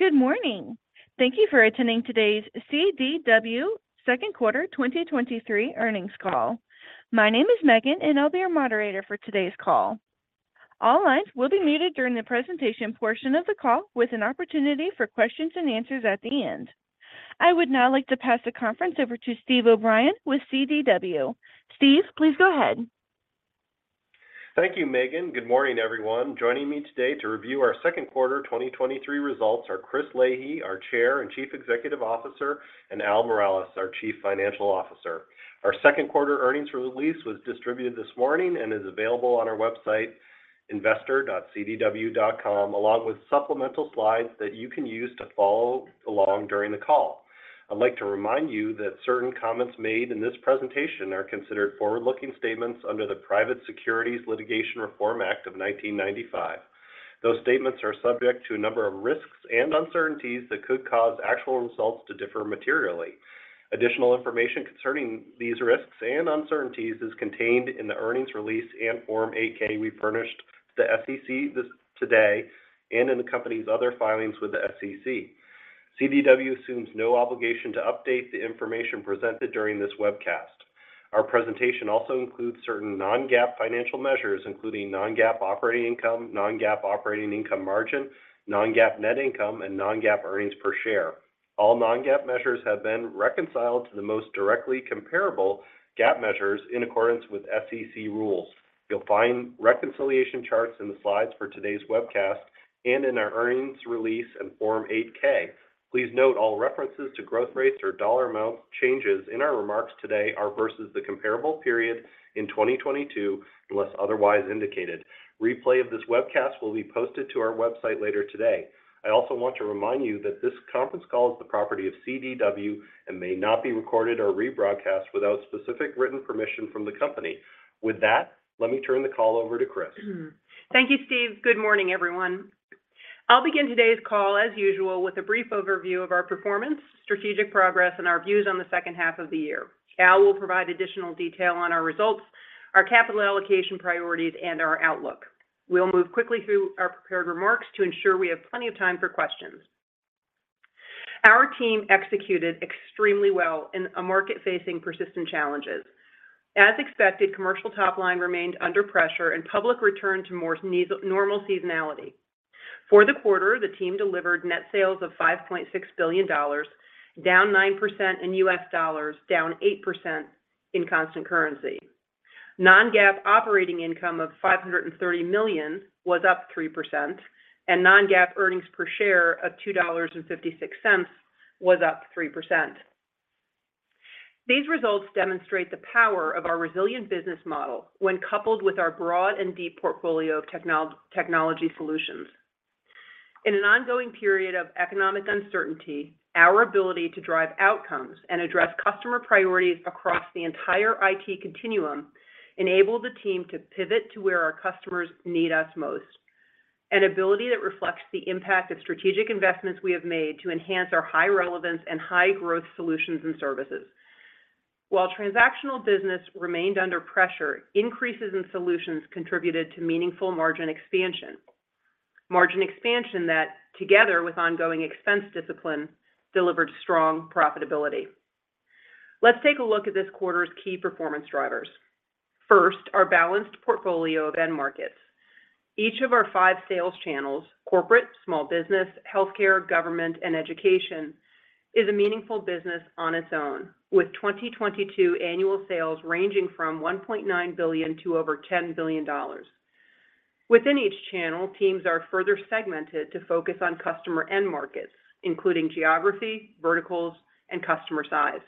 Good morning. Thank you for attending today's CDW Q2 2023 Earnings Call. My name is Megan. I'll be your moderator for today's call. All lines will be muted during the presentation portion of the call, with an opportunity for questions and answers at the end. I would now like to pass the conference over to Steve O'Brien with CDW. Steve, please go ahead. Thank you, Megan. Good morning, everyone. Joining me today to review our Q2 2023 results are Chris Leahy, our Chair and Chief Executive Officer, and Al Miralles, our Chief Financial Officer. Our Q2 earnings release was distributed this morning and is available on our website, investor.cdw.com, along with supplemental slides that you can use to follow along during the call. I'd like to remind you that certain comments made in this presentation are considered forward-looking statements under the Private Securities Litigation Reform Act of 1995. Those statements are subject to a number of risks and uncertainties that could cause actual results to differ materially. Additional information concerning these risks and uncertainties is contained in the earnings release and Form 8-K we furnished to the SEC this today, and in the company's other filings with the SEC. CDW assumes no obligation to update the information presented during this webcast. Our presentation also includes certain non-GAAP financial measures, including non-GAAP operating income, non-GAAP operating income margin, non-GAAP net income, and non-GAAP earnings per share. All non-GAAP measures have been reconciled to the most directly comparable GAAP measures in accordance with SEC rules. You'll find reconciliation charts in the slides for today's webcast and in our earnings release and Form 8-K. Please note, all references to growth rates or dollar amount changes in our remarks today are versus the comparable period in 2022, unless otherwise indicated. Replay of this webcast will be posted to our website later today. I also want to remind you that this conference call is the property of CDW and may not be recorded or rebroadcast without specific written permission from the company. With that, let me turn the call over to Chris. Thank you, Steve. Good morning, everyone. I'll begin today's call as usual, with a brief overview of our performance, strategic progress, and our views on the second half of the year. Al will provide additional detail on our results, our capital allocation priorities, and our outlook. We'll move quickly through our prepared remarks to ensure we have plenty of time for questions. Our team executed extremely well in a market facing persistent challenges. As expected, commercial top line remained under pressure, and public returned to more normal seasonality. For the quarter, the team delivered net sales of $5.6 billion, down 9% in U.S. dollars, down 8% in constant currency. Non-GAAP operating income of $530 million was up 3%, and Non-GAAP earnings per share of $2.56 was up 3%. These results demonstrate the power of our resilient business model when coupled with our broad and deep portfolio of technology solutions. In an ongoing period of economic uncertainty, our ability to drive outcomes and address customer priorities across the entire IT continuum, enabled the team to pivot to where our customers need us most. An ability that reflects the impact of strategic investments we have made to enhance our high relevance and high growth solutions and services. While transactional business remained under pressure, increases in solutions contributed to meaningful margin expansion. Margin expansion that, together with ongoing expense discipline, delivered strong profitability. Let's take a look at this quarter's key performance drivers. First, our balanced portfolio of end markets. Each of our five sales channels, corporate, small business, healthcare, government, and education, is a meaningful business on its own, with 2022 annual sales ranging from $1.9 to over 10 billion. Within each channel, teams are further segmented to focus on customer end markets, including geography, verticals, and customer size.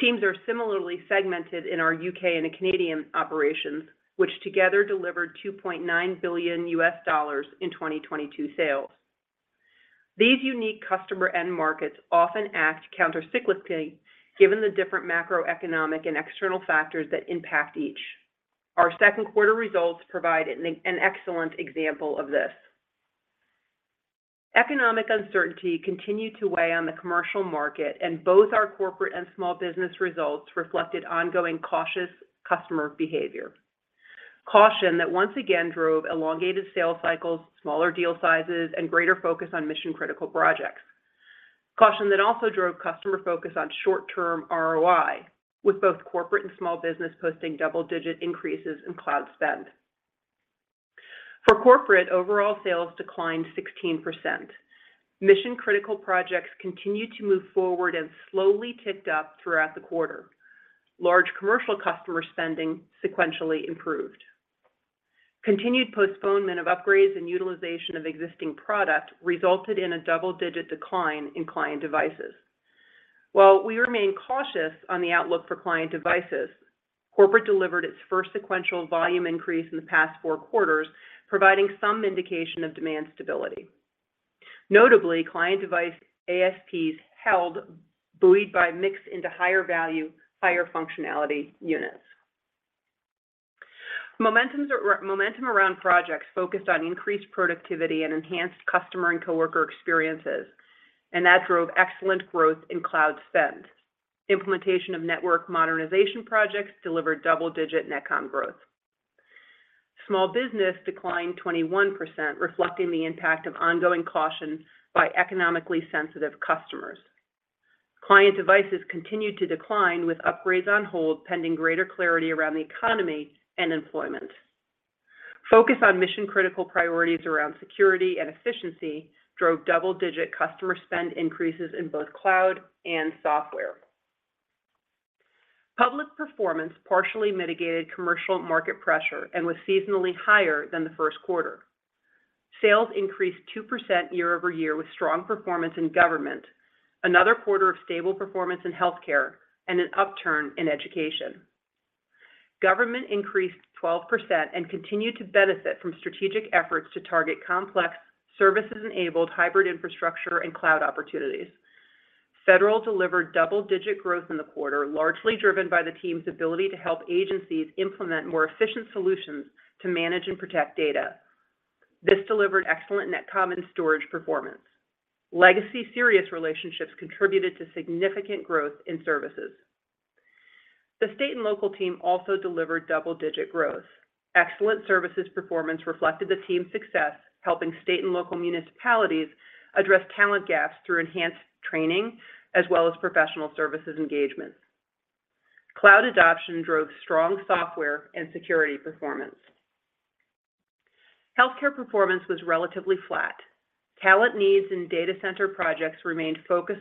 Teams are similarly segmented in our U.K. and Canadian operations, which together delivered $2.9 billion in 2022 sales. These unique customer end markets often act countercyclically, given the different macroeconomic and external factors that impact each. Our Q2 results provide an excellent example of this. Economic uncertainty continued to weigh on the commercial market, and both our corporate and small business results reflected ongoing cautious customer behavior. Caution that once again drove elongated sales cycles, smaller deal sizes, and greater focus on mission-critical projects. Caution that also drove customer focus on short-term ROI, with both corporate and small business posting double-digit increases in cloud spend. For corporate, overall sales declined 16%. Mission-critical projects continued to move forward and slowly ticked up throughout the quarter. Large commercial customer spending sequentially improved. Continued postponement of upgrades and utilization of existing product resulted in a double-digit decline in client devices. While we remain cautious on the outlook for client devices, corporate delivered its first sequential volume increase in the past four quarters, providing some indication of demand stability. Notably, client device ASPs held, buoyed by mix into higher value, higher functionality units. Momentum around projects focused on increased productivity and enhanced customer and coworker experiences, and that drove excellent growth in cloud spend. Implementation of network modernization projects delivered double-digit Netcomm growth. Small business declined 21%, reflecting the impact of ongoing caution by economically sensitive customers. Client devices continued to decline, with upgrades on hold, pending greater clarity around the economy and employment. Focus on mission-critical priorities around security and efficiency drove double-digit customer spend increases in both cloud and software. Public performance partially mitigated commercial market pressure and was seasonally higher than Q1. Sales increased 2% year-over-year with strong performance in government, another quarter of stable performance in healthcare, and an upturn in education. Government increased 12% and continued to benefit from strategic efforts to target complex services-enabled hybrid infrastructure and cloud opportunities. Federal delivered double-digit growth in the quarter, largely driven by the team's ability to help agencies implement more efficient solutions to manage and protect data. This delivered excellent Netcomm storage performance. Legacy Sirius relationships contributed to significant growth in services. The state and local team also delivered double-digit growth. Excellent services performance reflected the team's success, helping state and local municipalities address talent gaps through enhanced training, as well as professional services engagement. Cloud adoption drove strong software and security performance. Healthcare performance was relatively flat. Talent needs and data center projects remained focus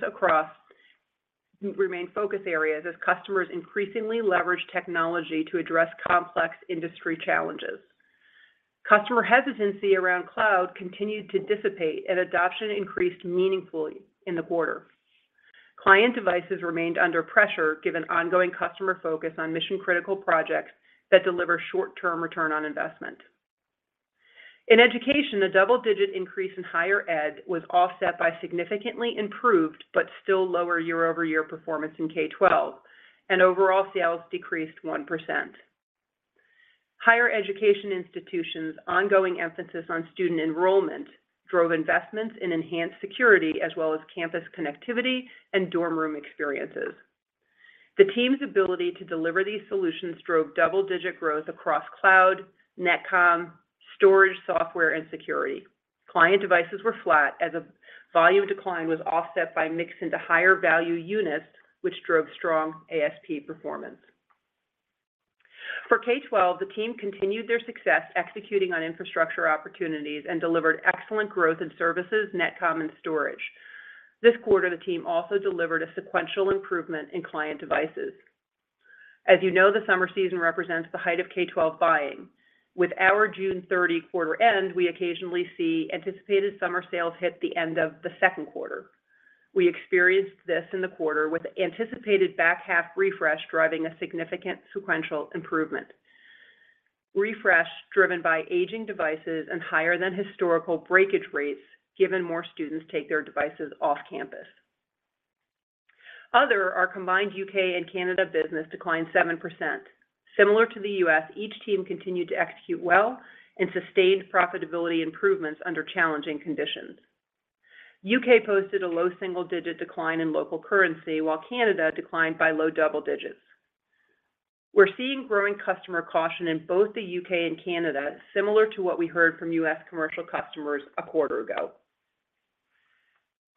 areas as customers increasingly leverage technology to address complex industry challenges. Customer hesitancy around cloud continued to dissipate and adoption increased meaningfully in the quarter. Client devices remained under pressure, given ongoing customer focus on mission-critical projects that deliver short-term ROI. In education, the double-digit increase in higher ed was offset by significantly improved but still lower year-over-year performance in K-12, and overall sales decreased 1%. Higher education institutions' ongoing emphasis on student enrollment drove investments in enhanced security, as well as campus connectivity and dorm room experiences. The team's ability to deliver these solutions drove double-digit growth across cloud, Netcomm, storage, software, and security. Client devices were flat as a volume decline was offset by mix into higher value units, which drove strong ASP performance. For K-12, the team continued their success executing on infrastructure opportunities and delivered excellent growth in services, Netcomm, and storage. This quarter, the team also delivered a sequential improvement in client devices. As you know, the summer season represents the height of K-12 buying. With our June 30 quarter end, we occasionally see anticipated summer sales hit the end of Q2. We experienced this in the quarter with anticipated back half refresh driving a significant sequential improvement. Refresh, driven by aging devices and higher than historical breakage rates, given more students take their devices off-campus. Other, our combined U.K. and Canada business declined 7%. Similar to the U.S., each team continued to execute well and sustained profitability improvements under challenging conditions. U.K. posted a low single-digit decline in local currency, while Canada declined by low double digits. We're seeing growing customer caution in both the U.K. and Canada, similar to what we heard from U.S. commercial customers a quarter ago.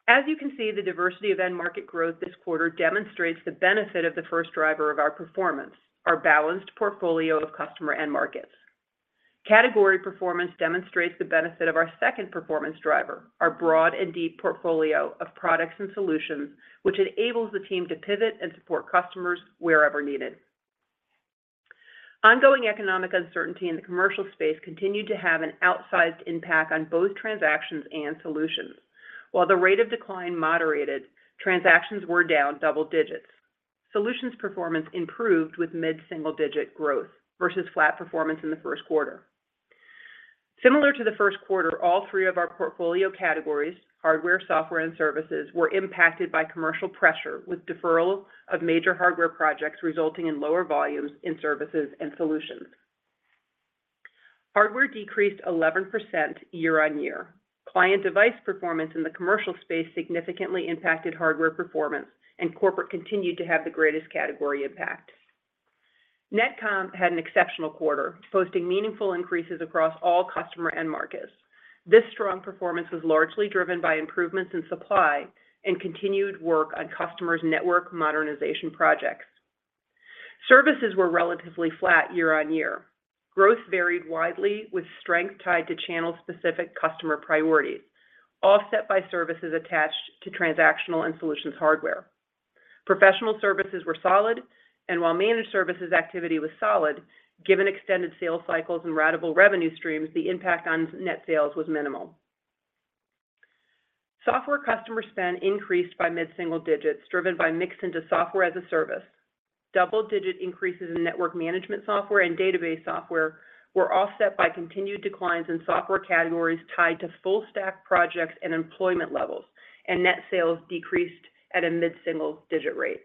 As you can see, the diversity of end market growth this quarter demonstrates the benefit of the first driver of our performance, our balanced portfolio of customer end markets. Category performance demonstrates the benefit of our second performance driver, our broad and deep portfolio of products and solutions, which enables the team to pivot and support customers wherever needed. Ongoing economic uncertainty in the commercial space continued to have an outsized impact on both transactions and solutions. While the rate of decline moderated, transactions were down double digits. Solutions performance improved with mid-single-digit growth versus flat performance in Q1. Similar to Q1, all three of our portfolio categories, hardware, software, and services, were impacted by commercial pressure, with deferral of major hardware projects resulting in lower volumes in services and solutions. Hardware decreased 11% year-over-year. Client device performance in the commercial space significantly impacted hardware performance, and corporate continued to have the greatest category impact. Netcomm had an exceptional quarter, posting meaningful increases across all customer end markets. This strong performance was largely driven by improvements in supply and continued work on customers' network modernization projects. Services were relatively flat year-over-year. Growth varied widely with strength tied to channel-specific customer priorities, offset by services attached to transactional and solutions hardware. Professional services were solid, and while managed services activity was solid, given extended sales cycles and ratable revenue streams, the impact on net sales was minimal. Software customer spend increased by mid-single digits, driven by mix into software as a service. Double-digit increases in network management software and database software were offset by continued declines in software categories tied to full stack projects and employment levels, and net sales decreased at a mid-single-digit rate.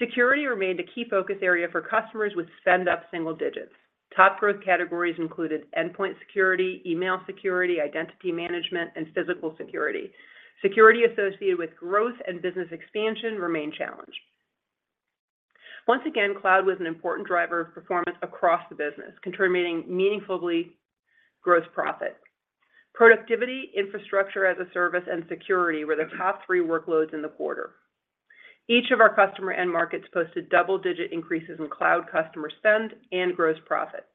Security remained a key focus area for customers with spend up single digits. Top growth categories included endpoint security, email security, identity management, and physical security. Security associated with growth and business expansion remained challenged. Once again, cloud was an important driver of performance across the business, contributing meaningfully gross profit. Productivity, infrastructure as a service, and security were the top three workloads in the quarter. Each of our customer end markets posted double-digit increases in cloud customer spend and gross profit.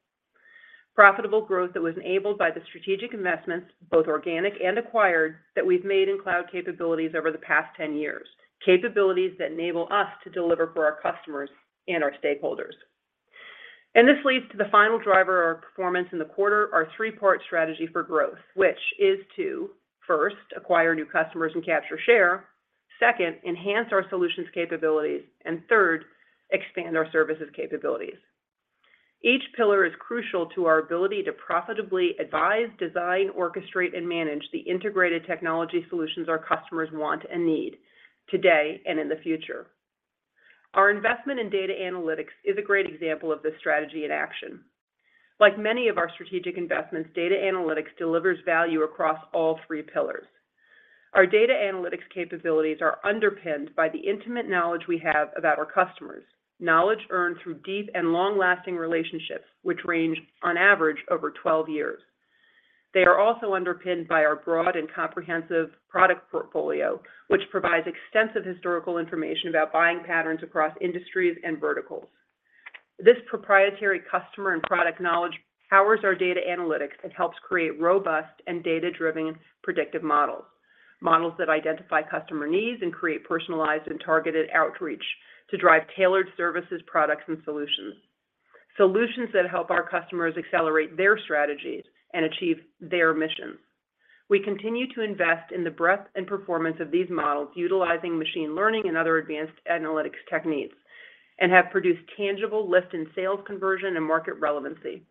Profitable growth that was enabled by the strategic investments, both organic and acquired, that we've made in cloud capabilities over the past 10 years, capabilities that enable us to deliver for our customers and our stakeholders. This leads to the final driver of our performance in the quarter, our three-part strategy for growth, which is to, first, acquire new customers and capture share, second, enhance our solutions capabilities, and third, expand our services capabilities. Each pillar is crucial to our ability to profitably advise, design, orchestrate, and manage the integrated technology solutions our customers want and need today and in the future. Our investment in data analytics is a great example of this strategy in action. Like many of our strategic investments, data analytics delivers value across all three pillars. Our data analytics capabilities are underpinned by the intimate knowledge we have about our customers, knowledge earned through deep and long-lasting relationships, which range on average over 12 years. They are also underpinned by our broad and comprehensive product portfolio, which provides extensive historical information about buying patterns across industries and verticals. This proprietary customer and product knowledge powers our data analytics and helps create robust and data-driven predictive models, models that identify customer needs and create personalized and targeted outreach to drive tailored services, products, and solutions, solutions that help our customers accelerate their strategies and achieve their missions. We continue to invest in the breadth and performance of these models utilizing machine learning and other advanced analytics techniques, and have produced tangible lift in sales conversion and market relevancy.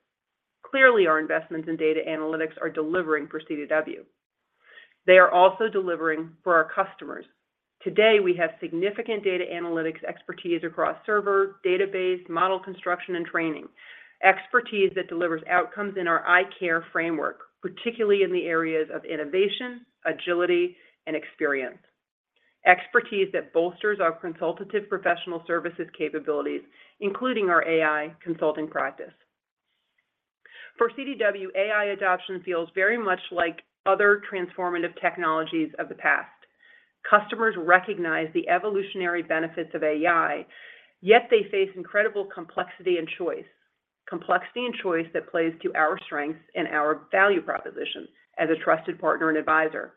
Clearly, our investments in data analytics are delivering for CDW. They are also delivering for our customers. Today, we have significant data analytics expertise across server, database, model construction, and training, expertise that delivers outcomes in our ICARE framework, particularly in the areas of innovation, agility, and experience. Expertise that bolsters our consultative professional services capabilities, including our AI consulting practice. For CDW, AI adoption feels very much like other transformative technologies of the past. Customers recognize the evolutionary benefits of AI, yet they face incredible complexity and choice, complexity and choice that plays to our strengths and our value proposition as a trusted partner and advisor.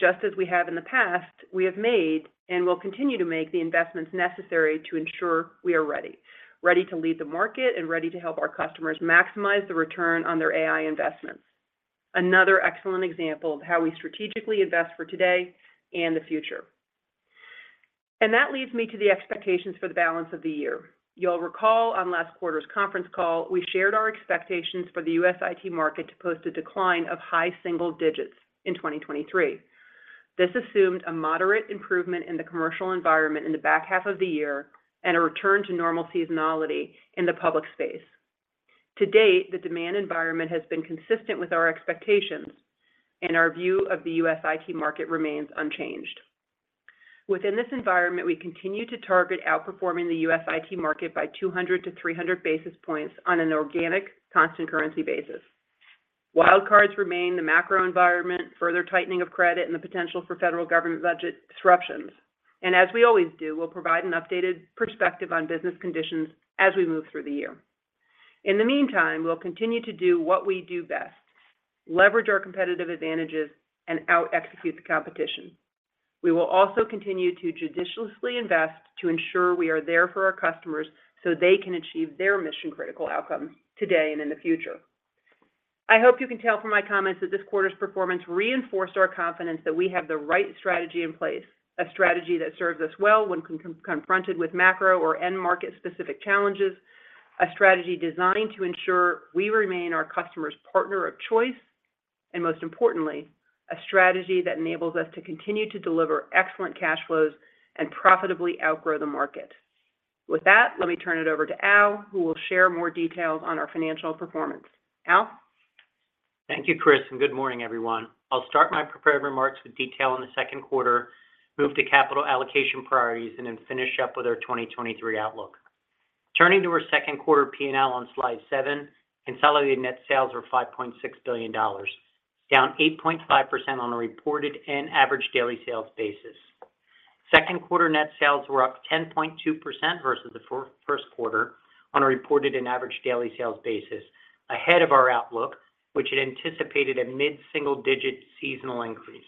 Just as we have in the past, we have made and will continue to make the investments necessary to ensure we are ready, ready to lead the market and ready to help our customers maximize the return on their AI investments. Another excellent example of how we strategically invest for today and the future. That leads me to the expectations for the balance of the year. You'll recall on last quarter's conference call, we shared our expectations for the U.S. IT market to post a decline of high single digits in 2023. This assumed a moderate improvement in the commercial environment in the back half of the year and a return to normal seasonality in the public space. To date, the demand environment has been consistent with our expectations, and our view of the U.S. IT market remains unchanged. Within this environment, we continue to target outperforming the U.S. IT market by 200-300 basis points on an organic, constant currency basis. Wild cards remain the macro environment, further tightening of credit, and the potential for federal government budget disruptions. As we always do, we'll provide an updated perspective on business conditions as we move through the year. In the meantime, we'll continue to do what we do best: leverage our competitive advantages and out-execute the competition. We will continue to judiciously invest to ensure we are there for our customers so they can achieve their mission-critical outcomes today and in the future. I hope you can tell from my comments that this quarter's performance reinforced our confidence that we have the right strategy in place, a strategy that serves us well when confronted with macro or end-market-specific challenges, a strategy designed to ensure we remain our customer's partner of choice, most importantly, a strategy that enables us to continue to deliver excellent cash flows and profitably outgrow the market. With that, let me turn it over to Al, who will share more details on our financial performance. Al? Thank you, Chris. Good morning, everyone. I'll start my prepared remarks with detail on the Q2, move to capital allocation priorities, and then finish up with our 2023 outlook. Turning to our Q2 P&L on Slide seven, consolidated net sales were $5.6 billion, down 8.5% on a reported and average daily sales basis. Q2 net sales were up 10.2% versus Q1 on a reported and average daily sales basis, ahead of our outlook, which had anticipated a mid-single-digit seasonal increase.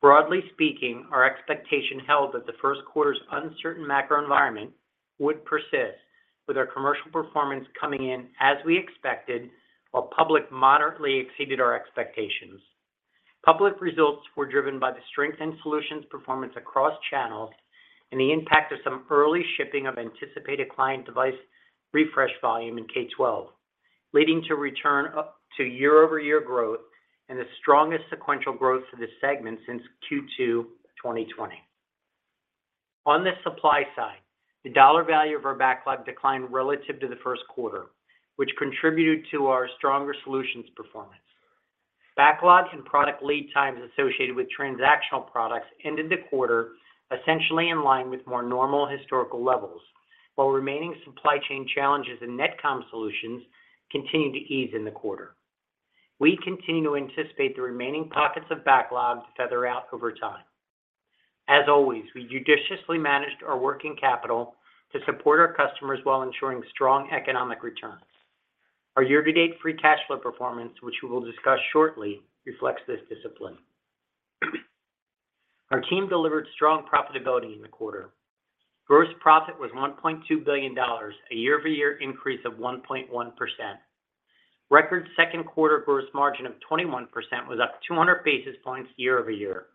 Broadly speaking, our expectation held that Q1's uncertain macro environment would persist, with our commercial performance coming in as we expected, while public moderately exceeded our expectations. Public results were driven by the strength in solutions performance across channels and the impact of some early shipping of anticipated client device refresh volume in K-12, leading to return up to year-over-year growth and the strongest sequential growth for this segment since Q2 2020. On the supply side, the dollar value of our backlog declined relative to Q1, which contributed to our stronger solutions performance. Backlogs and product lead times associated with transactional products ended the quarter essentially in line with more normal historical levels, while remaining supply chain challenges in Netcomm solutions continued to ease in the quarter. We continue to anticipate the remaining pockets of backlogs to feather out over time. As always, we judiciously managed our working capital to support our customers while ensuring strong economic returns. Our year-to-date free cash flow performance, which we will discuss shortly, reflects this discipline. Our team delivered strong profitability in the quarter. Gross profit was $1.2 billion, a year-over-year increase of 1.1%. Record Q2 gross margin of 21% was up 200 basis points year-over-year.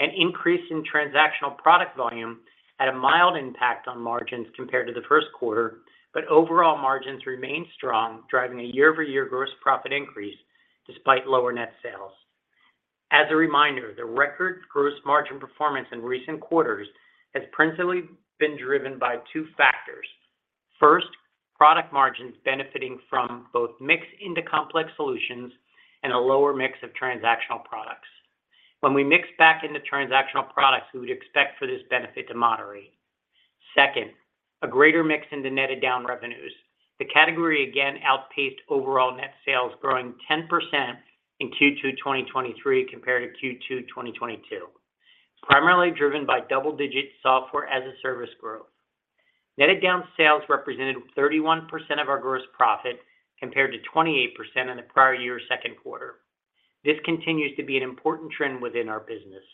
An increase in transactional product volume had a mild impact on margins compared to Q1. Overall margins remained strong, driving a year-over-year gross profit increase despite lower net sales. As a reminder, the record gross margin performance in recent quarters has principally been driven by two factors. First, product margins benefiting from both mix into complex solutions and a lower mix of transactional products. When we mix back into transactional products, we would expect for this benefit to moderate. Second, a greater mix into netted down revenues. The category again outpaced overall net sales, growing 10% in Q2 2023 compared to Q2 2022, primarily driven by double-digit software as a service growth. Netted down sales represented 31% of our gross profit, compared to 28% in the prior year's Q2. This continues to be an important trend within our business.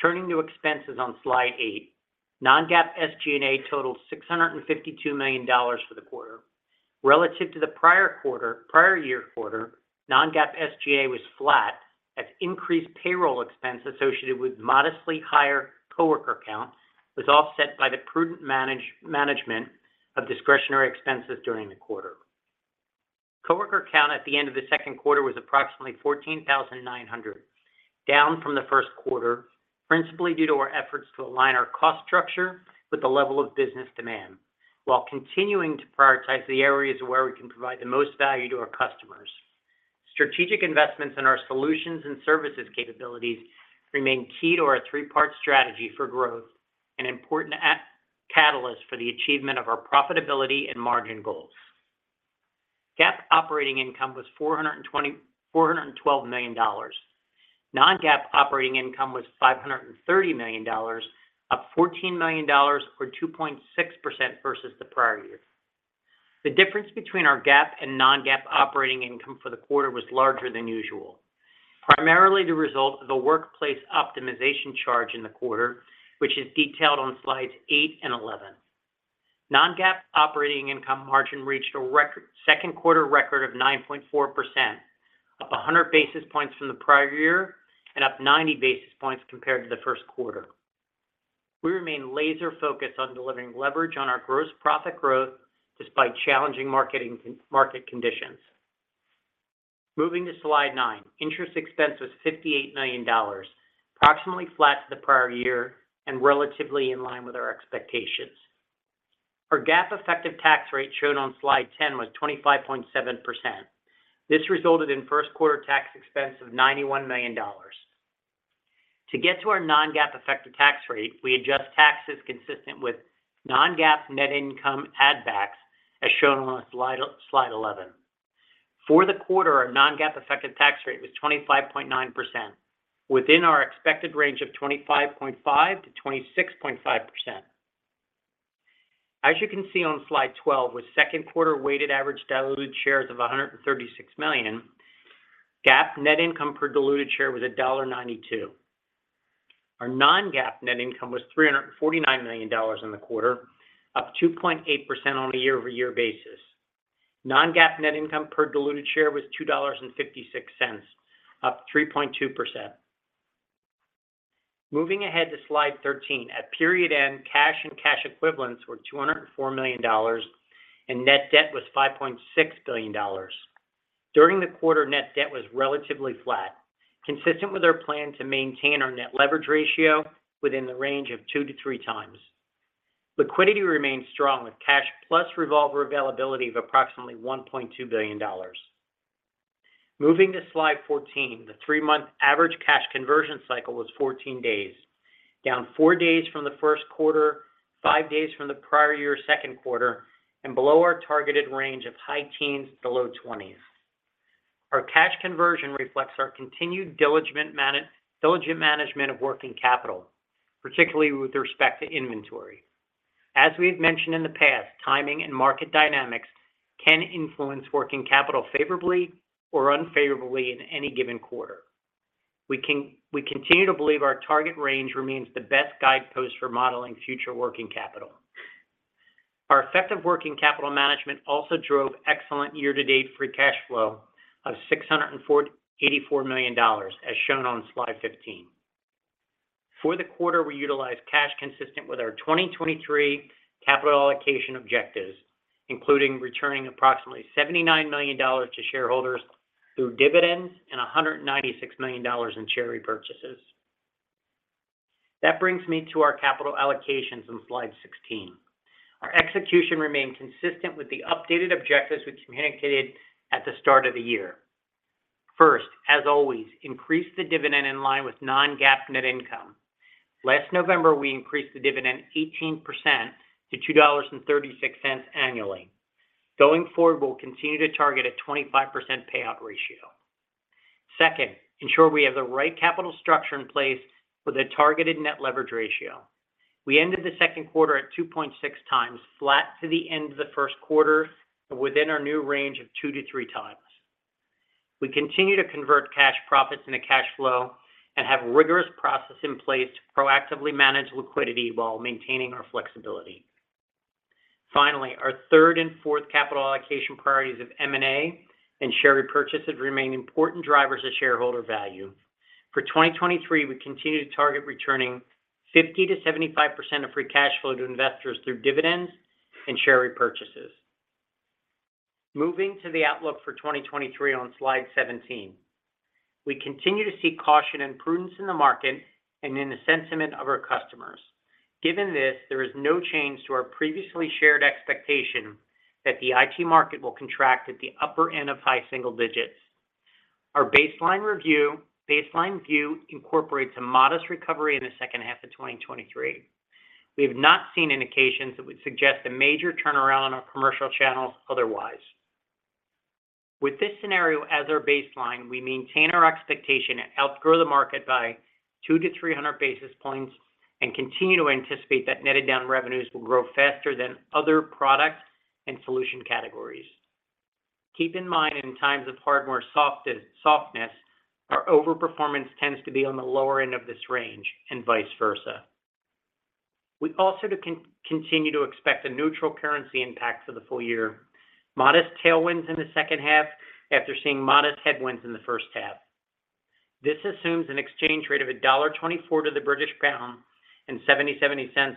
Turning to expenses on slide eight, non-GAAP SG&A totaled $652 million for the quarter. Relative to the prior quarter, prior year quarter, non-GAAP SGA was flat, as increased payroll expense associated with modestly higher coworker count was offset by the prudent management of discretionary expenses during the quarter. Coworker count at the end of Q2 was approximately 14,900, down from Q1, principally due to our efforts to align our cost structure with the level of business demand, while continuing to prioritize the areas where we can provide the most value to our customers. Strategic investments in our solutions and services capabilities remain key to our three-part strategy for growth, an important catalyst for the achievement of our profitability and margin goals. GAAP operating income was $412 million. Non-GAAP operating income was $530 up 14 million or 2.6% versus the prior year. The difference between our GAAP and non-GAAP operating income for the quarter was larger than usual, primarily the result of the workplace optimization charge in the quarter, which is detailed on slides eight and 11. Non-GAAP operating income margin reached a Q2 record of 9.4%, up 100 basis points from the prior year and up 90 basis points compared to Q1. We remain laser-focused on delivering leverage on our gross profit growth despite challenging market conditions. Moving to slide nine, interest expense was $58 million, approximately flat to the prior year and relatively in line with our expectations. Our GAAP effective tax rate, shown on slide 10, was 25.7%. This resulted in first quarter tax expense of $91 million. To get to our non-GAAP effective tax rate, we adjust taxes consistent with non-GAAP net income add backs, as shown on Slide 11. For the quarter, our non-GAAP effective tax rate was 25.9%, within our expected range of 25.5%-26.5%. As you can see on Slide 12, with Q2 weighted average diluted shares of 136 million, GAAP net income per diluted share was $1.92. Our non-GAAP net income was $349 million in the quarter, up 2.8% on a year-over-year basis. Non-GAAP net income per diluted share was $2.56, up 3.2%. Moving ahead to Slide 13. At period end, cash and cash equivalents were $204 million, and net debt was 5.6 billion. During the quarter, net debt was relatively flat, consistent with our plan to maintain our net leverage ratio within the range of 2-3x. Liquidity remains strong, with cash plus revolver availability of approximately $1.2 billion. Moving to Slide 14, the three-month average cash conversion cycle was 14 days, down four days from Q1, five days from the prior year's Q2, and below our targeted range of high teens to low twenties. Our cash conversion reflects our continued diligent management of working capital, particularly with respect to inventory. As we've mentioned in the past, timing and market dynamics can influence working capital favorably or unfavorably in any given quarter. We continue to believe our target range remains the best guidepost for modeling future working capital. Our effective working capital management also drove excellent year-to-date free cash flow of $684 million, as shown on slide 15. For the quarter, we utilized cash consistent with our 2023 capital allocation objectives, including returning approximately $79 million to shareholders through dividends and $196 million in share repurchases. That brings me to our capital allocations on slide 16. Our execution remained consistent with the updated objectives we communicated at the start of the year. First, as always, increase the dividend in line with non-GAAP net income. Last November, we increased the dividend 18% to $2.36 annually. Going forward, we'll continue to target a 25% payout ratio. Second, ensure we have the right capital structure in place with a targeted net leverage ratio. We ended the Q2 at 2.6x, flat to the end of Q1, and within our new range of 2x-3x. We continue to convert cash profits into cash flow and have rigorous process in place to proactively manage liquidity while maintaining our flexibility. Finally, our third and fourth capital allocation priorities of M&A and share repurchases remain important drivers of shareholder value. For 2023, we continue to target returning 50%-75% of free cash flow to investors through dividends and share repurchases. Moving to the outlook for 2023 on slide 17. We continue to see caution and prudence in the market and in the sentiment of our customers. Given this, there is no change to our previously shared expectation that the IT market will contract at the upper end of high single digits. Our baseline review, baseline view incorporates a modest recovery in the second half of 2023. We have not seen indications that would suggest a major turnaround on our commercial channels otherwise. With this scenario as our baseline, we maintain our expectation to outgrow the market by 200-300 basis points and continue to anticipate that netted down revenues will grow faster than other products and solution categories. Keep in mind, in times of hardware softness, our overperformance tends to be on the lower end of this range, and vice versa. We also continue to expect a neutral currency impact for the full year. Modest tailwinds in the second half, after seeing modest headwinds in the first half. This assumes an exchange rate of $1.24 to the British pound and 0.77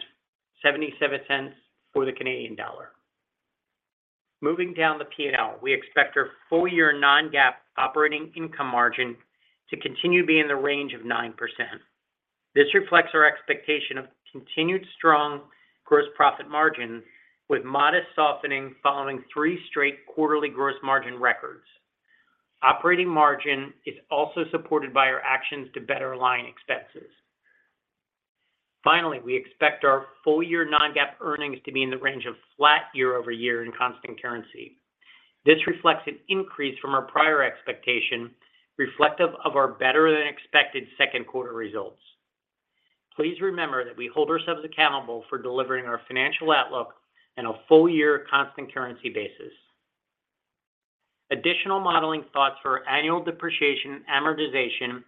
for the Canadian dollar. Moving down the P&L, we expect our full-year non-GAAP operating income margin to continue to be in the range of 9%. This reflects our expectation of continued strong gross profit margin, with modest softening following three straight quarterly gross margin records. Operating margin is also supported by our actions to better align expenses. Finally, we expect our full-year non-GAAP earnings to be in the range of flat year-over-year in constant currency. This reflects an increase from our prior expectation, reflective of our better than expected Q2 results. Please remember that we hold ourselves accountable for delivering our financial outlook in a full-year constant currency basis. Additional modeling thoughts for annual depreciation and amortization,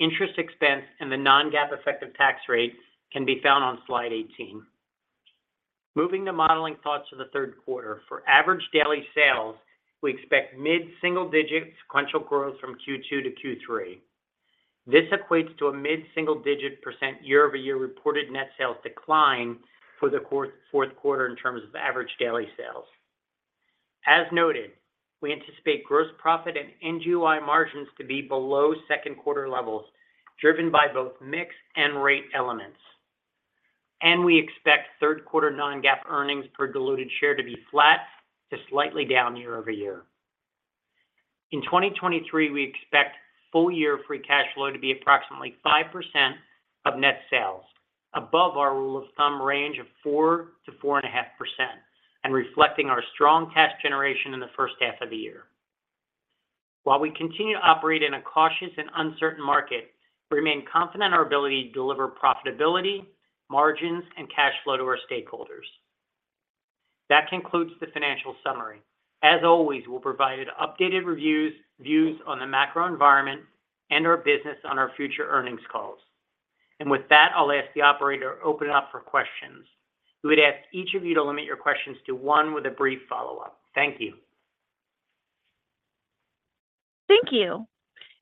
interest expense, and the non-GAAP effective tax rate can be found on slide 18. Moving to modeling thoughts to the Q3. For average daily sales, we expect mid-single-digit sequential growth from Q2 to Q3. This equates to a mid-single-digit percent year-over-year reported net sales decline for the fourth quarter in terms of average daily sales. As noted, we anticipate gross profit and NGOI margins to be below Q2 levels, driven by both mix and rate elements. We expect Q3 non-GAAP earnings per diluted share to be flat to slightly down year-over-year. In 2023, we expect full year free cash flow to be approximately 5% of net sales, above our rule of thumb range of 4%-4.5%, and reflecting our strong cash generation in the first half of the year. While we continue to operate in a cautious and uncertain market, we remain confident in our ability to deliver profitability, margins, and cash flow to our stakeholders. That concludes the financial summary. As always, we'll provide updated reviews, views on the macro environment and our business on our future earnings calls. With that, I'll ask the operator to open it up for questions. We would ask each of you to limit your questions to one with a brief follow-up. Thank you. Thank you.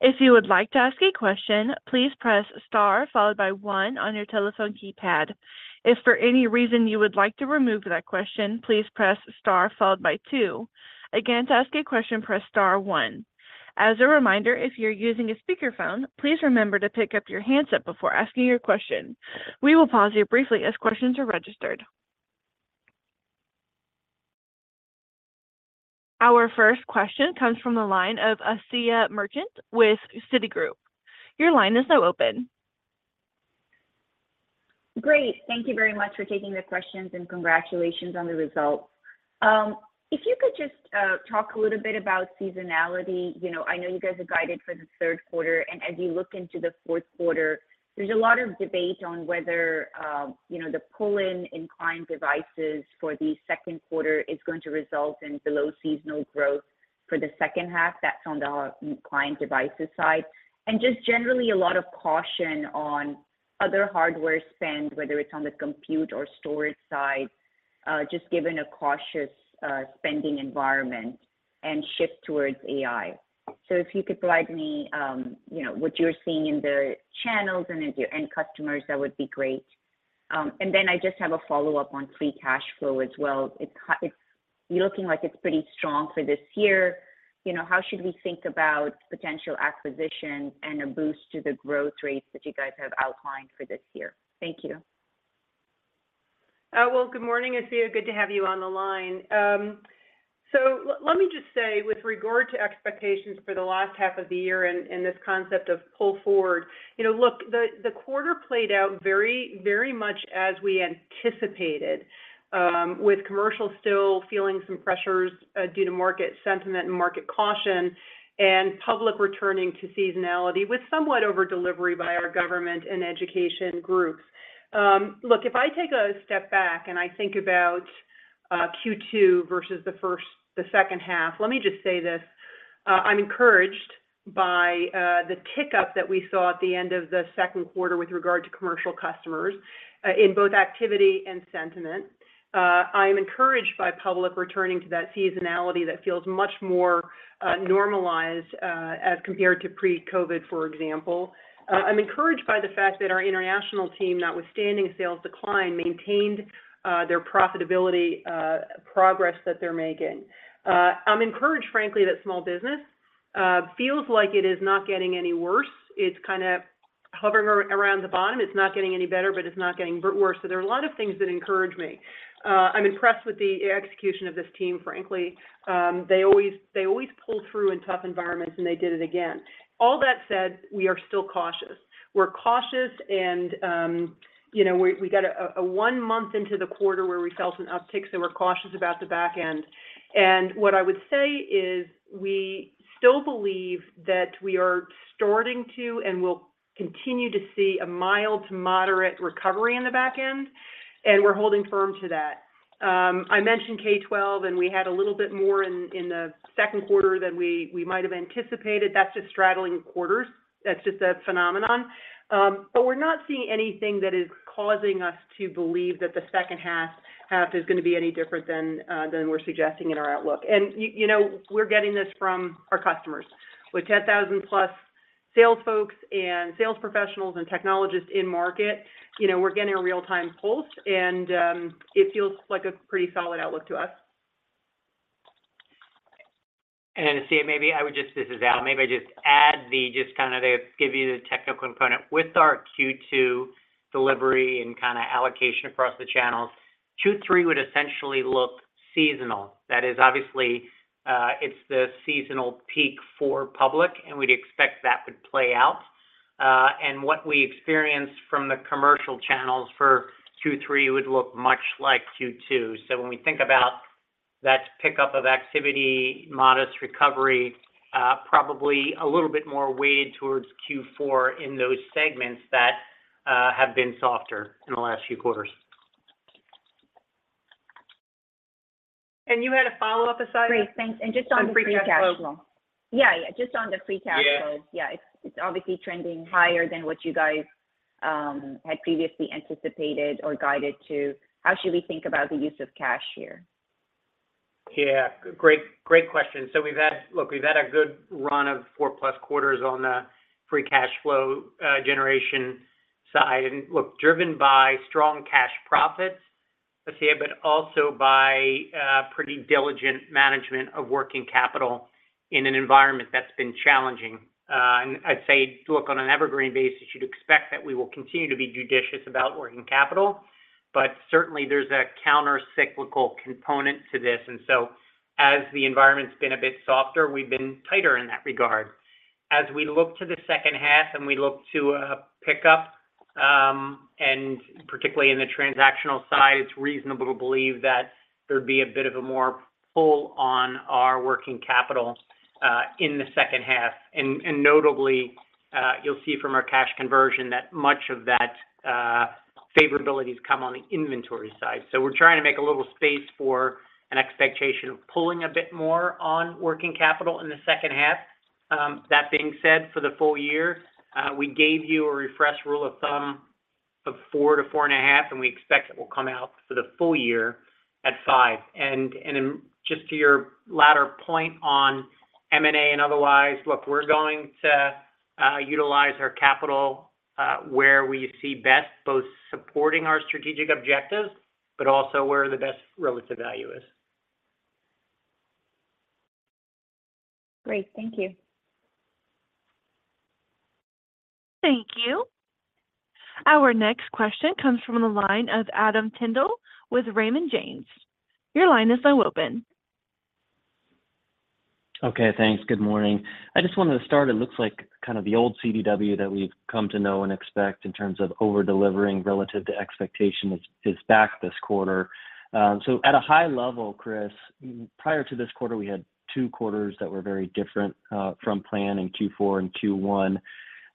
If you would like to ask a question, please press star followed by one on your telephone keypad. If for any reason you would like to remove that question, please press star followed by two. Again, to ask a question, press star one. As a reminder, if you're using a speakerphone, please remember to pick up your handset before asking your question. We will pause you briefly as questions are registered. Our first question comes from the line of Asiya Merchant with Citigroup. Your line is now open. Great. Thank you very much for taking the questions, and congratulations on the results. If you could just talk a little bit about seasonality. You know, I know you guys are guided for the Q3, and as you look into the fourth quarter, there's a lot of debate on whether, you know, the pull-in in client devices for Q2 is going to result in below seasonal growth for the second half. That's on the client devices side. Just generally, a lot of caution on other hardware spend, whether it's on the compute or storage side, just given a cautious spending environment and shift towards AI. If you could provide me, you know, what you're seeing in the channels and in your end customers, that would be great. Then I just have a follow-up on free cash flow as well. It's it's looking like it's pretty strong for this year. You know, how should we think about potential acquisition and a boost to the growth rates that you guys have outlined for this year? Thank you. Well, good morning, Asiya. Good to have you on the line. Let me just say, with regard to expectations for the last half of the year and, and this concept of pull forward, you know, look, the, the quarter played out very, very much as we anticipated, with commercial still feeling some pressures, due to market sentiment and market caution, and public returning to seasonality with somewhat over-delivery by our government and education groups. Look, if I take a step back and I think about Q2 versus the second half, let me just say this, I'm encouraged by the tick-up that we saw at the end of Q2 with regard to commercial customers, in both activity and sentiment. I'm encouraged by public returning to that seasonality that feels much more normalized as compared to pre-COVID, for example. I'm encouraged by the fact that our international team, notwithstanding sales decline, maintained their profitability progress that they're making. I'm encouraged, frankly, that small business feels like it is not getting any worse. It's kinda hovering around the bottom. It's not getting any better, but it's not getting worse. There are a lot of things that encourage me. I'm impressed with the execution of this team, frankly. They always, they always pull through in tough environments, and they did it again. All that said, we are still cautious. We're cautious, and, you know, we, we got a one month into the quarter where we saw some upticks, and we're cautious about the back end. What I would say is, we still believe that we are starting to, and will continue to see a mild to moderate recovery in the back end, and we're holding firm to that. I mentioned K-12, and we had a little bit more in, in Q2 than we, we might have anticipated. That's just straddling quarters. That's just a phenomenon. We're not seeing anything that is causing us to believe that the second half is gonna be any different than we're suggesting in our outlook. You know, we're getting this from our customers. With 10,000+ sales folks and sales professionals and technologists in market, you know, we're getting a real-time pulse, and it feels like a pretty solid outlook to us. Asiya, maybe I would just. This is Al. Maybe I just add the, just kind of the, give you the technical component. With our Q2 delivery and kinda allocation across the channels, Q3 would essentially look seasonal. That is obviously, it's the seasonal peak for public, and we'd expect that would play out. What we experienced from the commercial channels for Q3 would look much like Q2. When we think about that pickup of activity, modest recovery, probably a little bit more weighted towards Q4 in those segments that have been softer in the last few quarters. You had a follow-up, Asiya? Great, thanks. Just on the free cash flow- On free cash flow. Yeah, yeah, just on the free cash flow. Yeah. Yeah, it's, it's obviously trending higher than what you guys, had previously anticipated or guided to. How should we think about the use of cash here? Yeah, great, great question. Look, we've had a good run of 4+ quarters on the free cash flow generation side. Look, driven by strong cash profits, let's say, but also by pretty diligent management of working capital in an environment that's been challenging. I'd say, look, on an evergreen basis, you'd expect that we will continue to be judicious about working capital, but certainly there's a countercyclical component to this. As the environment's been a bit softer, we've been tighter in that regard. As we look to the second half and we look to pick up, and particularly in the transactional side, it's reasonable to believe that there'd be a bit of a more pull on our working capital in the second half. Notably, you'll see from our cash conversion that much of that favorability has come on the inventory side. We're trying to make a little space for an expectation of pulling a bit more on working capital in the second half. That being said, for the full year, we gave you a refresh rule of thumb of 4-4.5, and we expect it will come out for the full year at five. Just to your latter point on M&A and otherwise, look, we're going to utilize our capital where we see best, both supporting our strategic objectives, but also where the best relative value is. Great. Thank you. Thank you. Our next question comes from the line of Adam Tindle with Raymond James. Your line is now open. Okay, thanks. Good morning. I just wanted to start, it looks like kind of the old CDW that we've come to know and expect in terms of over-delivering relative to expectation is, is back this quarter. At a high level, Chris, prior to this quarter, we had two quarters that were very different, from plan in Q4 and Q1.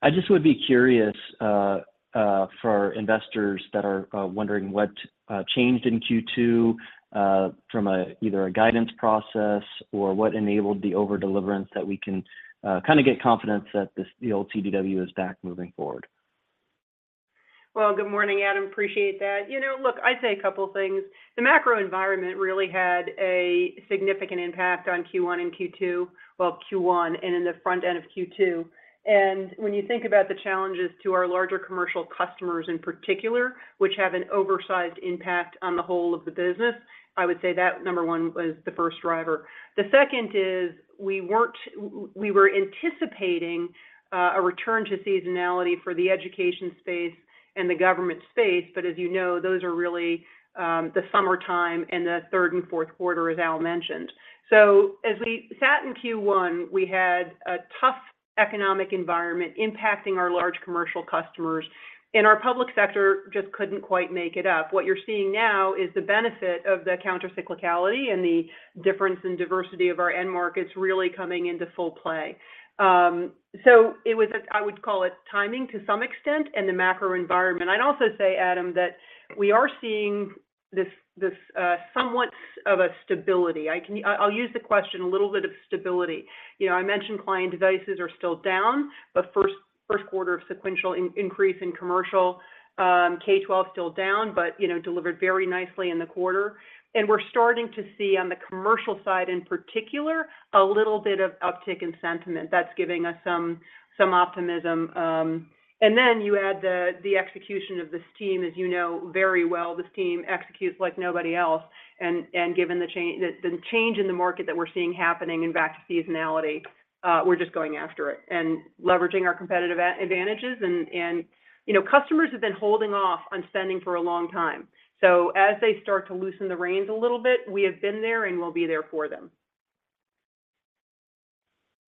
I just would be curious, for investors that are, wondering what, changed in Q2, from a, either a guidance process or what enabled the over-deliverance, that we can, kinda get confidence that this, the old CDW is back moving forward? Well, good morning, Adam. Appreciate that. You know, look, I'd say a couple things. The macro environment really had a significant impact on Q1 and Q2, well, Q1 and in the front end of Q2. When you think about the challenges to our larger commercial customers, in particular, which have an oversized impact on the whole of the business, I would say that, number one, was the first driver. The second is, we were anticipating a return to seasonality for the education space and the government space, but as you know, those are really the summertime and the third and fourth quarter, as Al mentioned. As we sat in Q1, we had a tough economic environment impacting our large commercial customers, and our public sector just couldn't quite make it up. What you're seeing now is the benefit of the countercyclicality and the difference in diversity of our end markets really coming into full play. It was a-- I would call it timing to some extent, and the macro environment. I'd also say, Adam, that we are seeing this, this, somewhat of a stability. I'll use the question, a little bit of stability. You know, I mentioned client devices are still down, but first, first quarter of sequential increase in commercial, K-12's still down, but, you know, delivered very nicely in the quarter. We're starting to see on the commercial side, in particular, a little bit of uptick in sentiment. That's giving us some, some optimism. Then you add the execution of this team, as you know very well, this team executes like nobody else. Given the change, the change in the market that we're seeing happening in back to seasonality, we're just going after it and leveraging our competitive advantages. You know, customers have been holding off on spending for a long time, so as they start to loosen the reins a little bit, we have been there and will be there for them.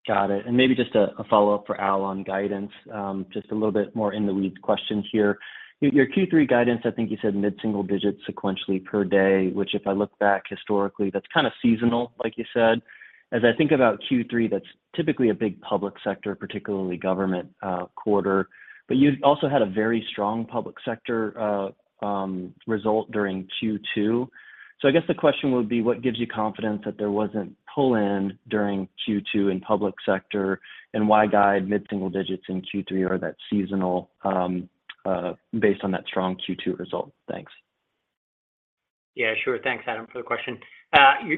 Got it. Maybe just a follow-up for Al on guidance, just a little bit more in the weeds question here. Your Q3 guidance, I think you said mid-single digits sequentially per day, which, if I look back historically, that's kind of seasonal, like you said. As I think about Q3, that's typically a big public sector, particularly government, quarter, but you've also had a very strong public sector result during Q2. I guess the question would be: What gives you confidence that there wasn't pull-in during Q2 in public sector, and why guide mid-single digits in Q3 or that seasonal based on that strong Q2 result? Thanks. Yeah, sure. Thanks, Adam, for the question.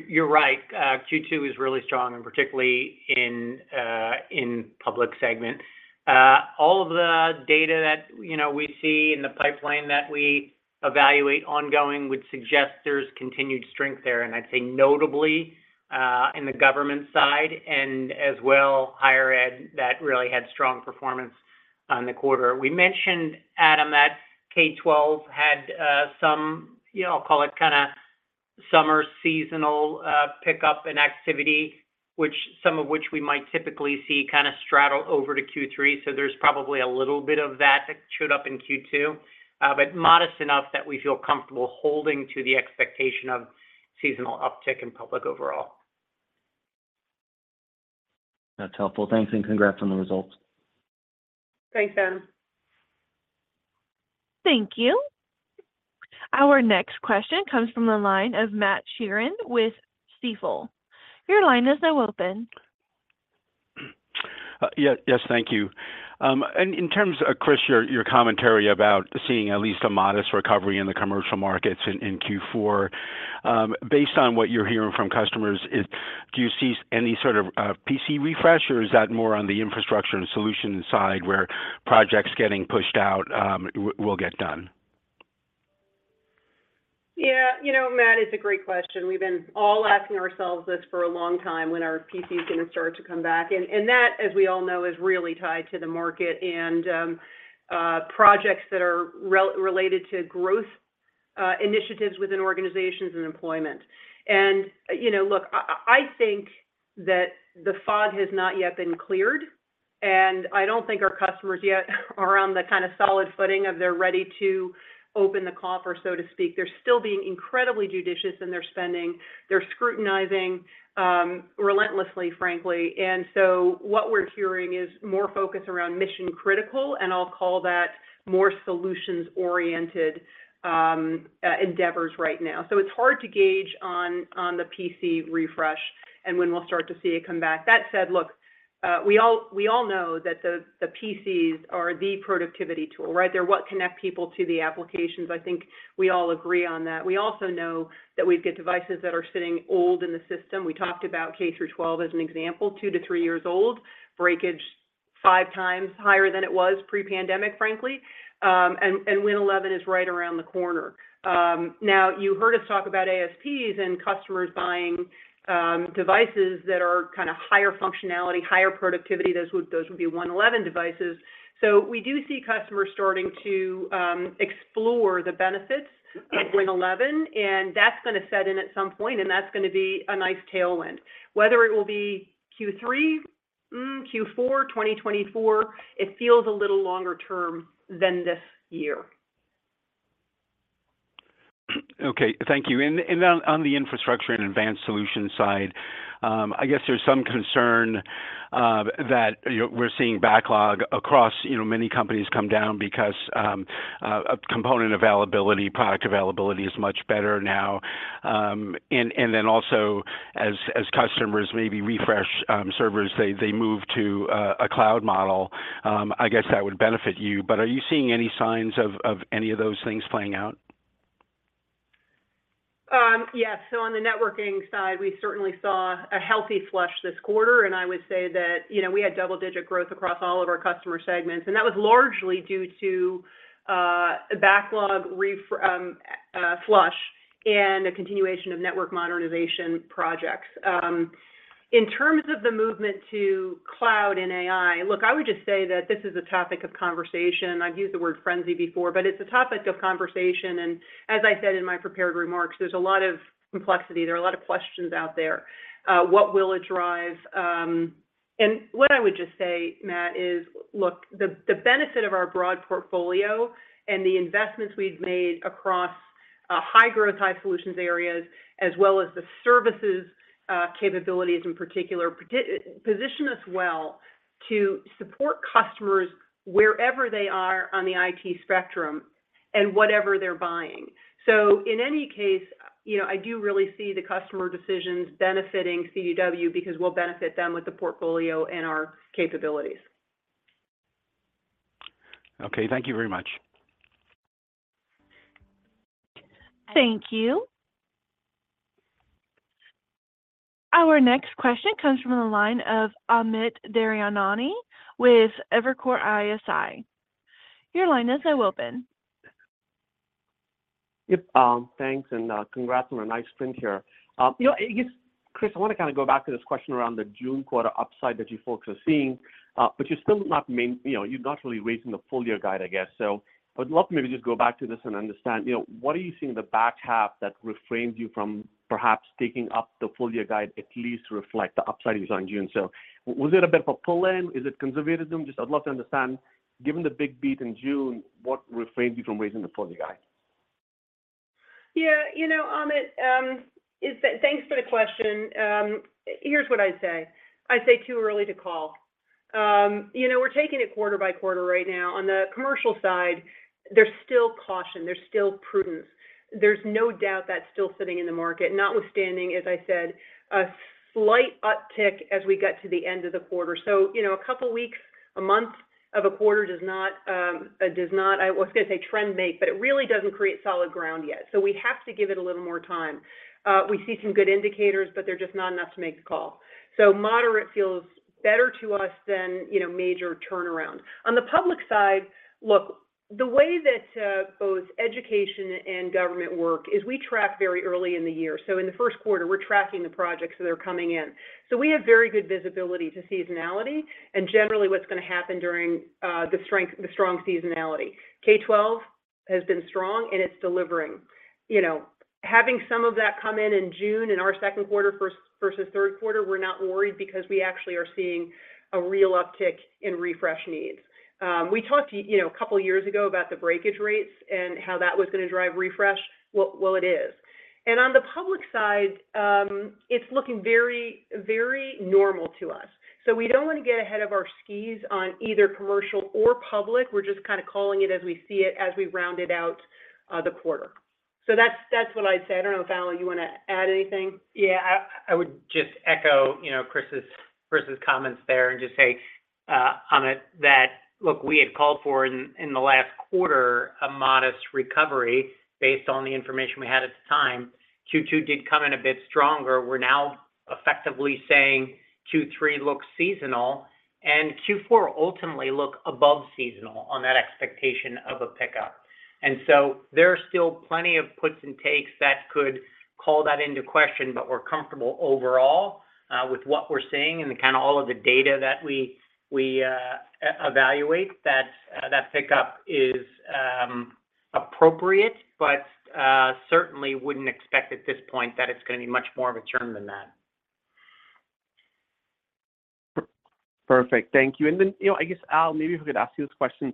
You're right, Q2 is really strong. Particularly in public segment. All of the data that, you know, we see in the pipeline that we evaluate ongoing, which suggests there's continued strength there. I'd say notably, in the government side and as well, higher ed, that really had strong performance on the quarter. We mentioned, Adam, that K-12 had some, you know, I'll call it kind of summer seasonal pickup in activity, which some of which we might typically see kind of straddle over to Q3. There's probably a little bit of that that showed up in Q2, modest enough that we feel comfortable holding to the expectation of seasonal uptick in public overall. That's helpful. Thanks, and congrats on the results. Thanks, Adam. Thank you. Our next question comes from the line of Matthew Sheerin with Stifel. Your line is now open. Yeah. Yes, thank you. In terms of, Chris, your, your commentary about seeing at least a modest recovery in the commercial markets in, in Q4, based on what you're hearing from customers, do you see any sort of PC refresh, or is that more on the infrastructure and solution side, where projects getting pushed out, will get done? Yeah, you know, Matt, it's a great question. We've been all asking ourselves this for a long time, when are PCs gonna start to come back? That, as we all know, is really tied to the market and projects that are re-related to growth initiatives within organizations and employment. You know, look, I think that the fog has not yet been cleared, and I don't think our customers yet are on the kind of solid footing of they're ready to open the claw, so to speak. They're still being incredibly judicious in their spending. They're scrutinizing relentlessly, frankly. What we're hearing is more focus around mission-critical, and I'll call that more solutions-oriented endeavors right now. It's hard to gauge on the PC refresh and when we'll start to see it come back. That said, look, we all, we all know that the, the PCs are the productivity tool, right? They're what connect people to the applications. I think we all agree on that. We also know that we've got devices that are sitting old in the system. We talked about K-12 as an example, two to three years old, breakage 5x higher than it was pre-pandemic, frankly, Windows 11 is right around the corner. Now, you heard us talk about ASPs and customers buying, devices that are kind of higher functionality, higher productivity. Those would, those would be Windows 11 devices. We do see customers starting to, explore the benefits- Mm-hmm... of Windows 11, and that's gonna set in at some point, and that's gonna be a nice tailwind. Whether it will be Q3, Q4, 2024, it feels a little longer term than this year. Okay, thank you. On, on the infrastructure and advanced solutions side, I guess there's some concern that, you know, we're seeing backlog across, you know, many companies come down because a component availability, product availability is much better now. Also, as, as customers maybe refresh servers, they, they move to a, a cloud model, I guess that would benefit you. Are you seeing any signs of, of any of those things playing out? ... On the networking side, we certainly saw a healthy flush this quarter, and I would say that, you know, we had double-digit growth across all of our customer segments, and that was largely due to a backlog flush and a continuation of network modernization projects. In terms of the movement to cloud and AI, look, I would just say that this is a topic of conversation. I've used the word frenzy before, but it's a topic of conversation, and as I said in my prepared remarks, there's a lot of complexity. There are a lot of questions out there. What will it drive? What I would just say, Matt, is, look, the, the benefit of our broad portfolio and the investments we've made across high-growth, high-solutions areas, as well as the services, capabilities in particular, position us well to support customers wherever they are on the IT spectrum and whatever they're buying. In any case, you know, I do really see the customer decisions benefiting CDW because we'll benefit them with the portfolio and our capabilities. Okay, thank you very much. Thank you. Our next question comes from the line of Amit Daryanani with Evercore ISI. Your line is now open. Yep, thanks, and congrats on a nice print here. You know, I guess, Chris, I want to kind of go back to this question around the June quarter upside that you folks are seeing, but you're still not you know, you're not really raising the full year guide, I guess. I would love to maybe just go back to this and understand, you know, what are you seeing in the back half that refrains you from perhaps taking up the full year guide, at least reflect the upside you saw in June? Was it a bit of a pull-in? Is it conservatism? Just I'd love to understand, given the big beat in June, what refrains you from raising the full year guide? Yeah, you know, Amit, is that thanks for the question. Here's what I'd say: I'd say too early to call. You know, we're taking it quarter by quarter right now. On the commercial side, there's still caution, there's still prudence. There's no doubt that's still sitting in the market, notwithstanding, as I said, a slight uptick as we get to the end of the quarter. You know, a couple of weeks, a month of a quarter does not, does not, I was going to say trend make, but it really doesn't create solid ground yet. We have to give it a little more time. We see some good indicators, but they're just not enough to make the call. Moderate feels better to us than, you know, major turnaround. On the public side, look, the way that, both education and government work is we track very early in the year. In Q1, we're tracking the projects that are coming in. we have very good visibility to seasonality, and generally what's going to happen during the strength, the strong seasonality. K-12 has been strong, and it's delivering. You know, having some of that come in in June in our Q2 first versus Q3, we're not worried because we actually are seeing a real uptick in refresh needs. We talked to you, you know, a couple of years ago about the breakage rates and how that was going to drive refresh. Well, well it is. On the public side, it's looking very, very normal to us. We don't want to get ahead of our skis on either commercial or public. We're just kind of calling it as we see it as we rounded out the quarter. That's, that's what I'd say. I don't know if, Al, you want to add anything? Yeah, I, I would just echo, you know, Chris's, Chris's comments there and just say, Amit, that look, we had called for in, in the last quarter, a modest recovery based on the information we had at the time. Q2 did come in a bit stronger. We're now effectively saying Q3 looks seasonal and Q4 ultimately look above seasonal on that expectation of a pickup. There are still plenty of puts and takes that could call that into question, but we're comfortable overall, with what we're seeing and the kind of all of the data that we, we, evaluate that, that pickup is appropriate, but certainly wouldn't expect at this point that it's going to be much more of a term than that. Perfect. Thank you. Then, you know, I guess, Al, maybe if we could ask you this question.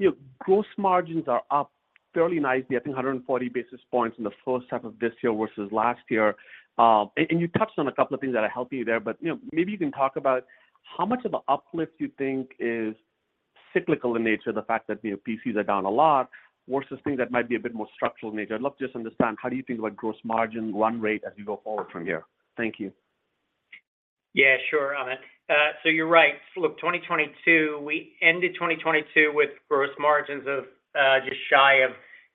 You know, gross margins are up fairly nicely, I think 140 basis points in the first half of this year versus last year. You touched on a couple of things that are helping you there, but, you know, maybe you can talk about how much of an uplift you think is cyclical in nature, the fact that, you know, PCs are down a lot, versus things that might be a bit more structural in nature. I'd love to just understand, how do you think about gross margin run rate as we go forward from here? Thank you. Yeah, sure, Amit. You're right. Look, 2022, we ended 2022 with gross margins of just shy of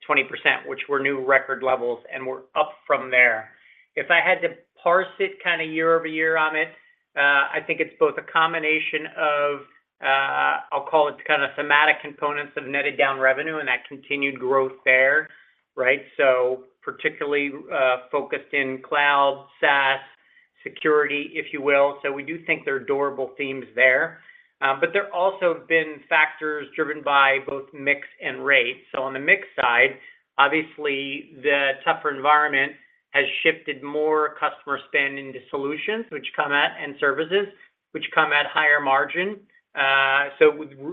20%, which were new record levels, and we're up from there. If I had to parse it kind of year-over-year, Amit, I think it's both a combination of I'll call it kind of somatic components of netted down revenue and that continued growth there, right? Particularly focused in cloud, SaaS, security, if you will. We do think there are durable themes there, but there also have been factors driven by both mix and rate. On the mix side, obviously, the tougher environment has shifted more customer spend into solutions which come at, and services, which come at higher margin.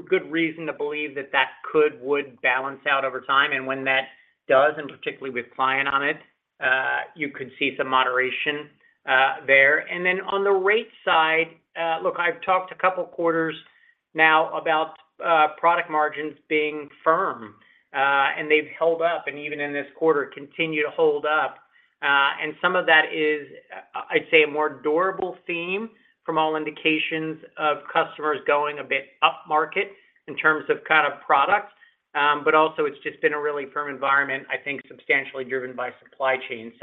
Good reason to believe that that could, would balance out over time, and when that does, and particularly with client on it, you could see some moderation, there. Then on the rate side, look, I've talked a couple of quarters now about product margins being firm, and they've held up, and even in this quarter, continue to hold up. Some of that is, I'd say, a more durable theme from all indications of customers going a bit upmarket in terms of kind of products but also it's just been a really firm environment, I think, substantially driven by supply chain.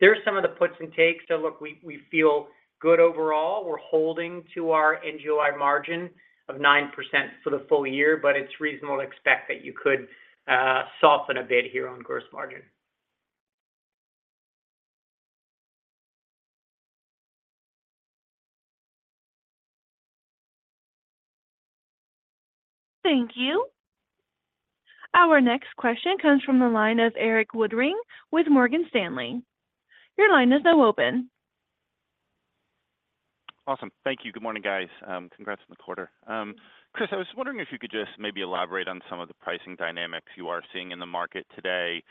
There are some of the puts and takes. Look, we, we feel good overall. We're holding to our NUI margin of 9% for the full year, but it's reasonable to expect that you could soften a bit here on gross margin. Thank you. Our next question comes from the line of Erik Woodring with Morgan Stanley. Your line is now open. Awesome. Thank you. Good morning, guys. Chris, I was wondering if you could just maybe elaborate on some of the pricing dynamics you are seeing in the market today.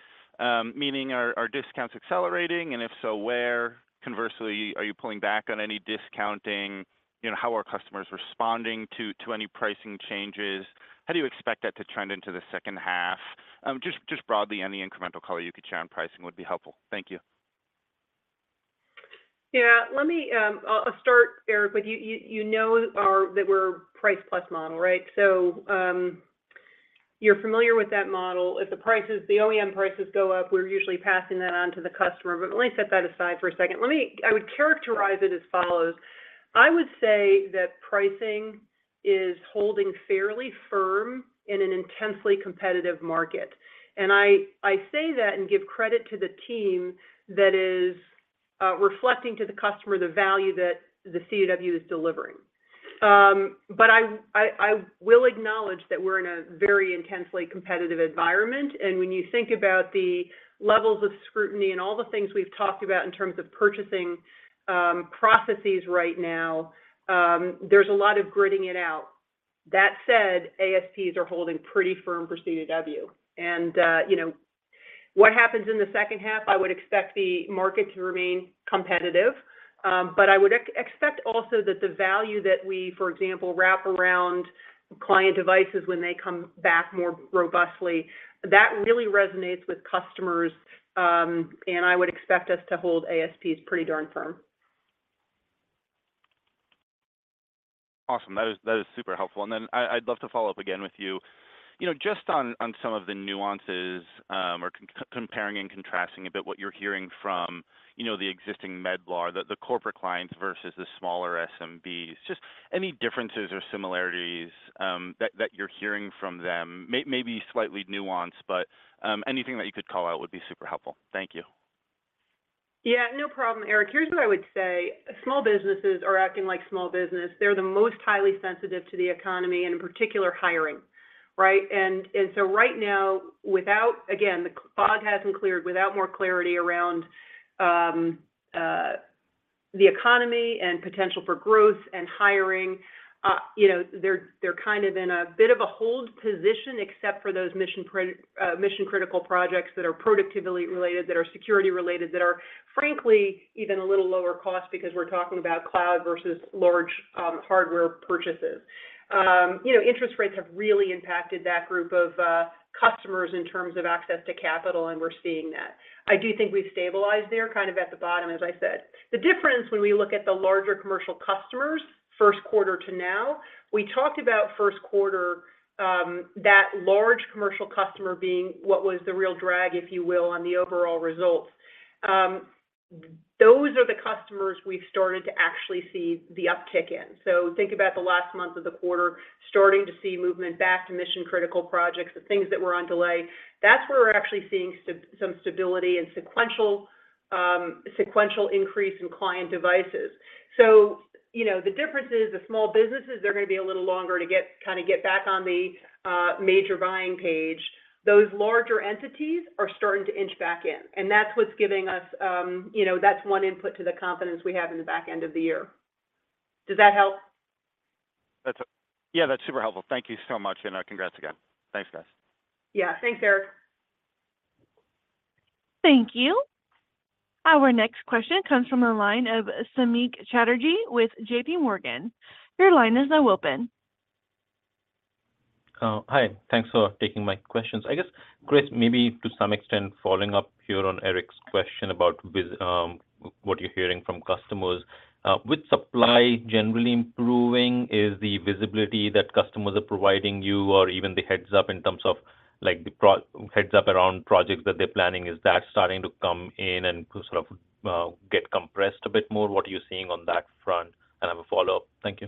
Meaning are, are discounts accelerating, and if so, where? Conversely, are you pulling back on any discounting? You know, how are customers responding to, to any pricing changes? How do you expect that to trend into the second half? Just, just broadly, any incremental color you could share on pricing would be helpful. Thank you. Yeah, let me, I'll start, Erik, with you, you, you know that we're price plus model, right? You're familiar with that model. If the prices, the OEM prices go up, we're usually passing that on to the customer, but let me set that aside for a second. I would characterize it as follows: I would say that pricing is holding fairly firm in an intensely competitive market. I say that and give credit to the team that is reflecting to the customer the value that the CDW is delivering. I, I, I will acknowledge that we're in a very intensely competitive environment, and when you think about the levels of scrutiny and all the things we've talked about in terms of purchasing, processes right now, there's a lot of gritting it out. That said, ASPs are holding pretty firm for CDW. You know, what happens in the second half? I would expect the market to remain competitive, but I would expect also that the value that we, for example, wrap around client devices when they come back more robustly, that really resonates with customers, and I would expect us to hold ASPs pretty darn firm. Awesome. That is, that is super helpful. Then I, I'd love to follow up again with you. You know, just on, on some of the nuances, or comparing and contrasting a bit what you're hearing from, you know, the existing mid-market, the, the corporate clients versus the smaller SMBs, just any differences or similarities, that, that you're hearing from them? Maybe slightly nuanced, but, anything that you could call out would be super helpful. Thank you. Yeah, no problem, Erik. Here's what I would say. Small businesses are acting like small business. They're the most highly sensitive to the economy, and in particular, hiring, right? So right now, again, the fog hasn't cleared. Without more clarity around the economy and potential for growth and hiring, you know, they're kind of in a bit of a hold position, except for those mission critical projects that are productivity related, that are security related, that are, frankly, even a little lower cost because we're talking about cloud versus large hardware purchases. You know, interest rates have really impacted that group of customers in terms of access to capital, and we're seeing that. I do think we've stabilized there, kind of at the bottom, as I said. The difference when we look at the larger commercial customers, first quarter to now, we talked about first quarter, that large commercial customer being what was the real drag, if you will, on the overall results. Those are the customers we've started to actually see the uptick in. Think about the last month of the quarter, starting to see movement back to mission critical projects, the things that were on delay. That's where we're actually seeing some stability and sequential, sequential increase in client devices. You know, the difference is the small businesses, they're gonna be a little longer to get, kind of get back on the, major buying page. Those larger entities are starting to inch back in, and that's what's giving us, you know, that's one input to the confidence we have in the back end of the year. Does that help? Yeah, that's super helpful. Thank you so much, and congrats again. Thanks, guys. Yeah. Thanks, Erik. Thank you. Our next question comes from the line of Samik Chatterjee with J.P. Morgan. Your line is now open. Hi. Thanks for taking my questions. I guess, Chris, maybe to some extent, following up here on Erik's question about what you're hearing from customers, with supply generally improving, is the visibility that customers are providing you or even the heads-up in terms of, like, the heads-up around projects that they're planning, is that starting to come in and to sort of, get compressed a bit more? What are you seeing on that front? I have a follow-up. Thank you.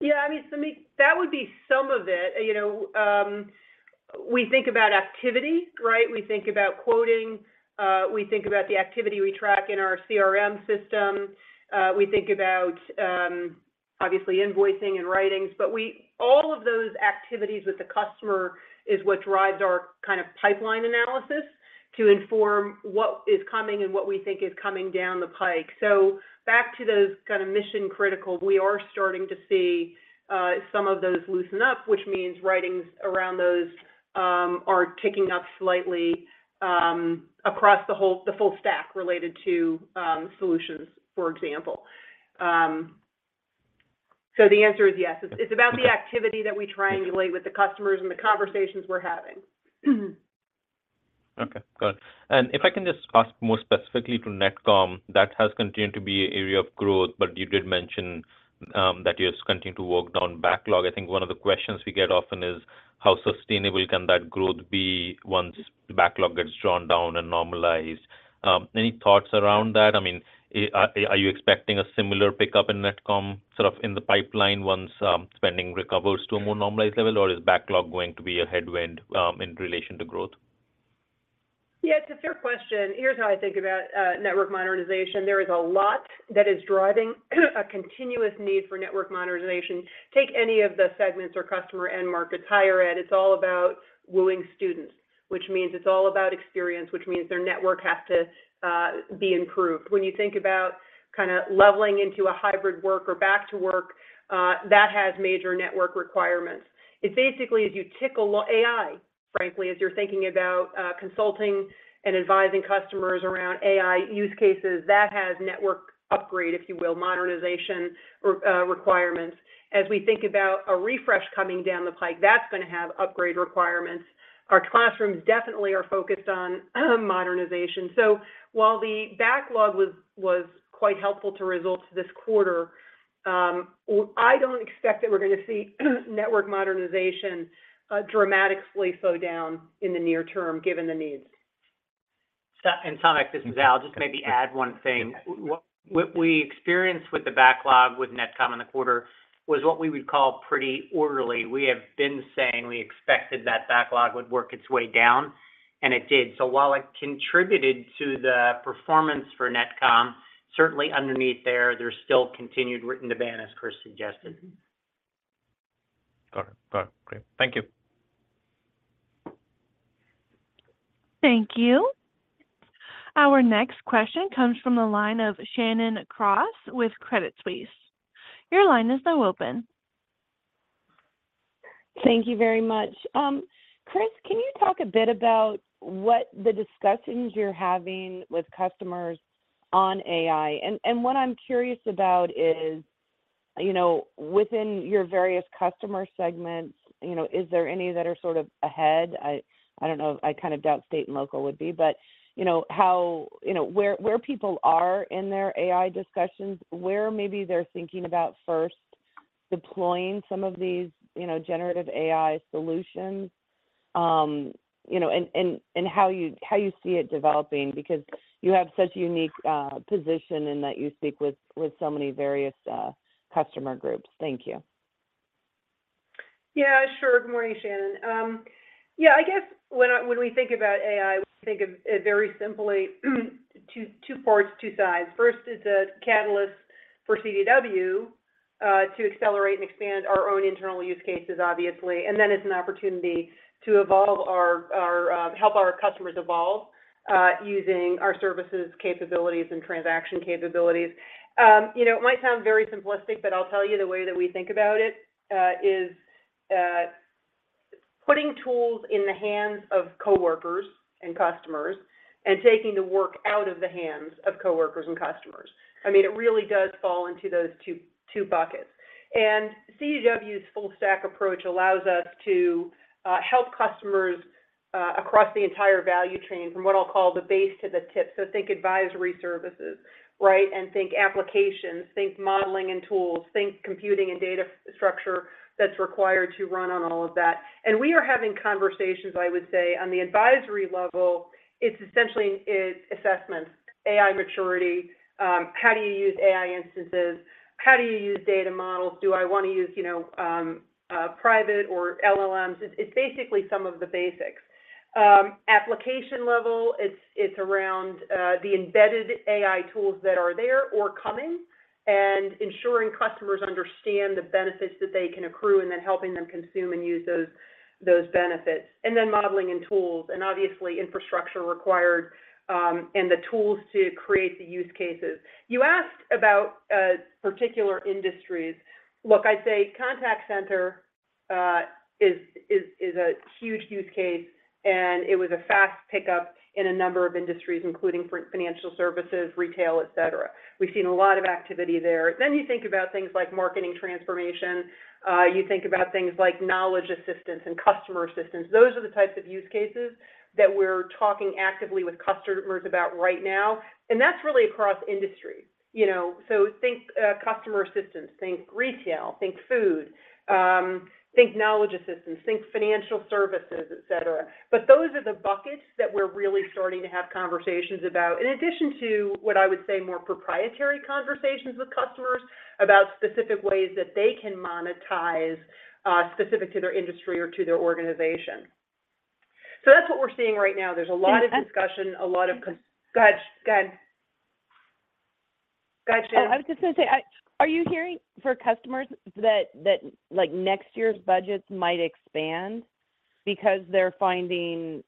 Yeah, I mean, Samik, that would be some of it. You know, we think about activity, right? We think about quoting, we think about the activity we track in our CRM system, we think about, obviously, invoicing and writings. All of those activities with the customer is what drives our kind of pipeline analysis to inform what is coming and what we think is coming down the pike. Back to those kind of mission critical, we are starting to see some of those loosen up, which means writings around those are ticking up slightly across the whole, the full stack related to solutions, for example. The answer is yes. It's, it's about the activity that we triangulate with the customers and the conversations we're having. Okay, good. If I can just ask more specifically to Netcomm, that has continued to be an area of growth, but you did mention that you're continuing to work down backlog. I think one of the questions we get often is, how sustainable can that growth be once the backlog gets drawn down and normalized? Any thoughts around that? I mean, are you expecting a similar pickup in Netcomm, sort of in the pipeline once spending recovers to a more normalized level? Or is backlog going to be a headwind in relation to growth? Yeah, it's a fair question. Here's how I think about network modernization. There is a lot that is driving a continuous need for network modernization. Take any of the segments or customer end markets, higher ed, it's all about wooing students, which means it's all about experience, which means their network has to be improved. When you think about kind of leveling into a hybrid work or back to work, that has major network requirements. It's basically, as you tickle AI, frankly, as you're thinking about consulting and advising customers around AI use cases, that has network upgrade, if you will, modernization requirements. As we think about a refresh coming down the pike, that's gonna have upgrade requirements. Our classrooms definitely are focused on modernization. While the backlog was, was quite helpful to results this quarter, I don't expect that we're gonna see, network modernization, dramatically slow down in the near term, given the needs. Samik, this is Al. Just maybe add one thing. What we experienced with the backlog with Netcomm in the quarter was what we would call pretty orderly. We have been saying we expected that backlog would work its way down, and it did. While it contributed to the performance for Netcomm, certainly underneath there, there's still continued written demand, as Chris suggested. Got it. Got it. Great. Thank you. Thank you. Our next question comes from the line of Shannon Cross with Credit Suisse. Your line is now open. Thank you very much. Chris, can you talk a bit about what the discussions you're having with customers on AI? What I'm curious about is, you know, within your various customer segments, you know, is there any that are sort of ahead? I, I don't know, I kind of doubt state and local would be, but you know, where, where people are in their AI discussions, where maybe they're thinking about first deploying some of these, you know, generative AI solutions, you know, and, and, and how you, how you see it developing, because you have such a unique position in that you speak with, with so many various customer groups? Thank you. Yeah, sure. Good morning, Shannon. Yeah, I guess when we think about AI, we think of it very simply, two, two parts, two sides. First, it's a catalyst for CDW to accelerate and expand our own internal use cases, obviously. Then it's an opportunity to evolve our, our, help our customers evolve using our services, capabilities, and transaction capabilities. You know, it might sound very simplistic, but I'll tell you the way that we think about it, is putting tools in the hands of coworkers and customers, and taking the work out of the hands of coworkers and customers. I mean, it really does fall into those two, two buckets. CDW's full stack approach allows us to help customers across the entire value chain, from what I'll call the base to the tip. Think advisory services, right? And think applications, think modeling and tools, think computing and data structure that's required to run on all of that. We are having conversations, I would say, on the advisory level, it's essentially is assessments, AI maturity, how do you use AI instances? How do you use data models? Do I wanna use, you know, private or LLMs? It's basically some of the basics. Application level, it's around the embedded AI tools that are there or coming, and ensuring customers understand the benefits that they can accrue, and then helping them consume and use those, those benefits. And then modeling and tools, and obviously, infrastructure required, and the tools to create the use cases. You asked about particular industries. Look, I'd say contact center is, is, is a huge use case, and it was a fast pickup in a number of industries, including for financial services, retail, et cetera. We've seen a lot of activity there. You think about things like marketing transformation, you think about things like knowledge assistance and customer assistance. Those are the types of use cases that we're talking actively with customers about right now, and that's really across industry. You know, so think customer assistance, think retail, think food, think knowledge assistance, think financial services, et cetera. Those are the buckets that we're really starting to have conversations about, in addition to what I would say, more proprietary conversations with customers about specific ways that they can monetize, specific to their industry or to their organization. That's what we're seeing right now. There's a lot of discussion, a lot of. And- Go ahead. Go ahead. Go ahead, Shannon. I was just gonna say, Are you hearing for customers that, like, next year's budgets might expand because they're finding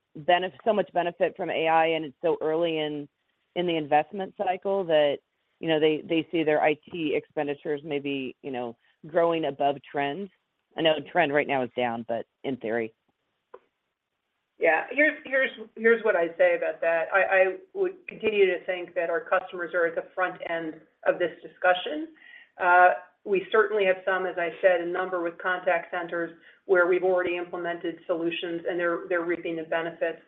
so much benefit from AI, and it's so early in the investment cycle that, you know, they see their IT expenditures maybe, you know, growing above trend? I know the trend right now is down, but in theory. Yeah. Here's, here's, here's what I'd say about that: I, I would continue to think that our customers are at the front end of this discussion, we certainly have some, as I said, a number with contact centers where we've already implemented solutions, and they're, they're reaping the benefits.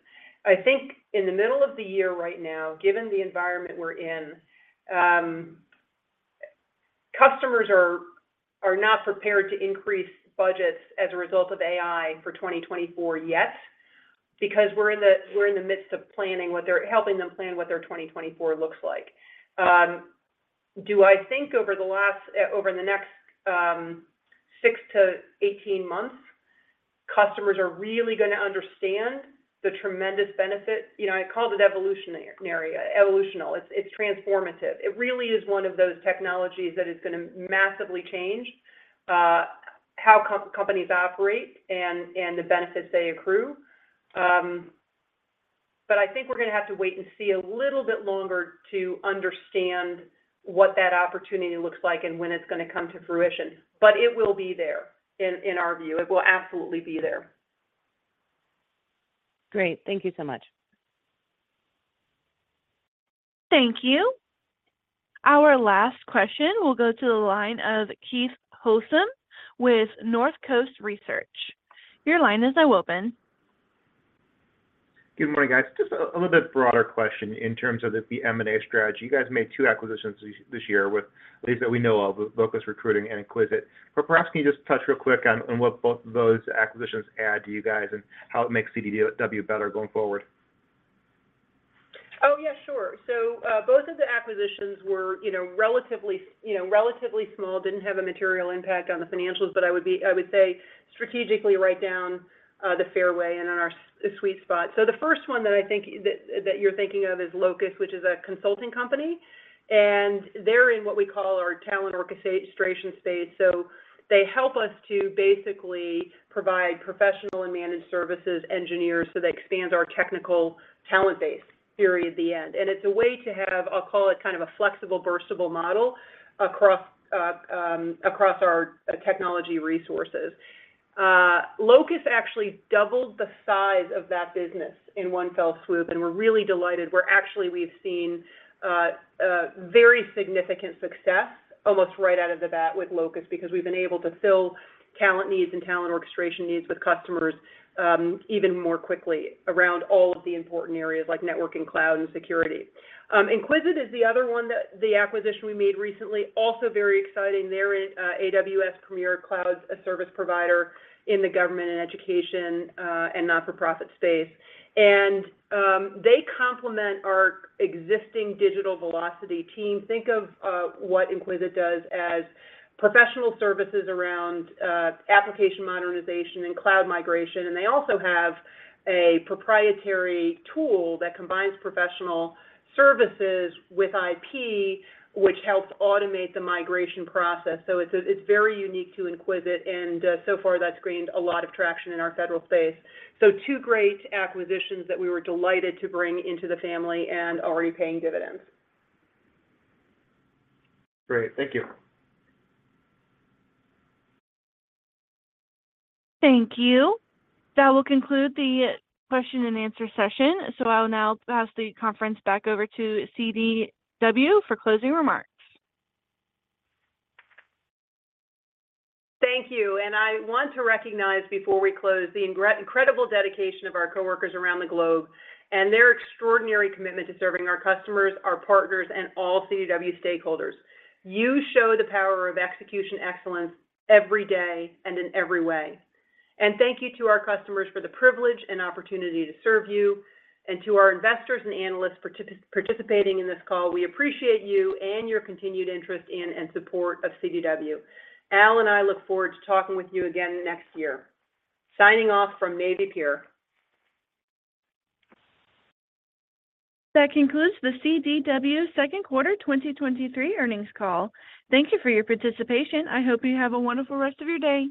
I think in the middle of the year right now, given the environment we're in, customers are, are not prepared to increase budgets as a result of AI for 2024 yet, because we're in the, we're in the midst of helping them plan what their 2024 looks like. Do I think over the last, over the next, six to 18 months, customers are really gonna understand the tremendous benefit? You know, I called it evolutionary, evolutionary. It's, it's transformative. It really is one of those technologies that is gonna massively change, how companies operate and, and the benefits they accrue. I think we're gonna have to wait and see a little bit longer to understand what that opportunity looks like and when it's gonna come to fruition. It will be there, in, in our view. It will absolutely be there. Great. Thank you so much. Thank you. Our last question will go to the line of Keith Housum with Northcoast Research. Your line is now open. Good morning, guys. Just a little bit broader question in terms of the M&A strategy. You guys made two acquisitions this year, at least that we know of, Locus Recruiting and Enquizit. Perhaps can you just touch real quick on what both of those acquisitions add to you guys and how it makes CDW better going forward? Oh, yeah, sure. Both of the acquisitions were, you know, relatively, you know, relatively small, didn't have a material impact on the financials, but I would say strategically right down the fairway and on our sweet spot. The first one that I think, that you're thinking of is Locus, which is a consulting company, and they're in what we call our talent orchestration space. They help us to basically provide professional and managed services engineers, so they expand our technical talent base, in the end. It's a way to have, I'll call it, kind of a flexible, burstable model across across our technology resources. Locus actually doubled the size of that business in one fell swoop, and we're really delighted. We're actually, we've seen a very significant success almost right out of the bat with Locus because we've been able to fill talent needs and talent orchestration needs with customers, even more quickly around all of the important areas, like networking, cloud, and security. Enquizit is the other one that the acquisition we made recently, also very exciting. They're a AWS premier cloud service provider in the government and education, and not-for-profit space. They complement our existing digital velocity team. Think of what Enquizit does as professional services around application modernization and cloud migration, and they also have a proprietary tool that combines professional services with IP, which helps automate the migration process. It's, it's very unique to Enquizit, so far, that's gained a lot of traction in our federal space. Two great acquisitions that we were delighted to bring into the family and already paying dividends. Great. Thank you. Thank you. That will conclude the question and answer session. I'll now pass the conference back over to CDW for closing remarks. Thank you. I want to recognize before we close, the incredible dedication of our coworkers around the globe and their extraordinary commitment to serving our customers, our partners, and all CDW stakeholders. You show the power of execution excellence every day and in every way. Thank you to our customers for the privilege and opportunity to serve you. To our investors and analysts participating in this call, we appreciate you and your continued interest in and support of CDW. Al and I look forward to talking with you again next year. Signing off from Navy Pier. That concludes the CDW Q2 2023 Earnings Call. Thank you for your participation. I hope you have a wonderful rest of your day.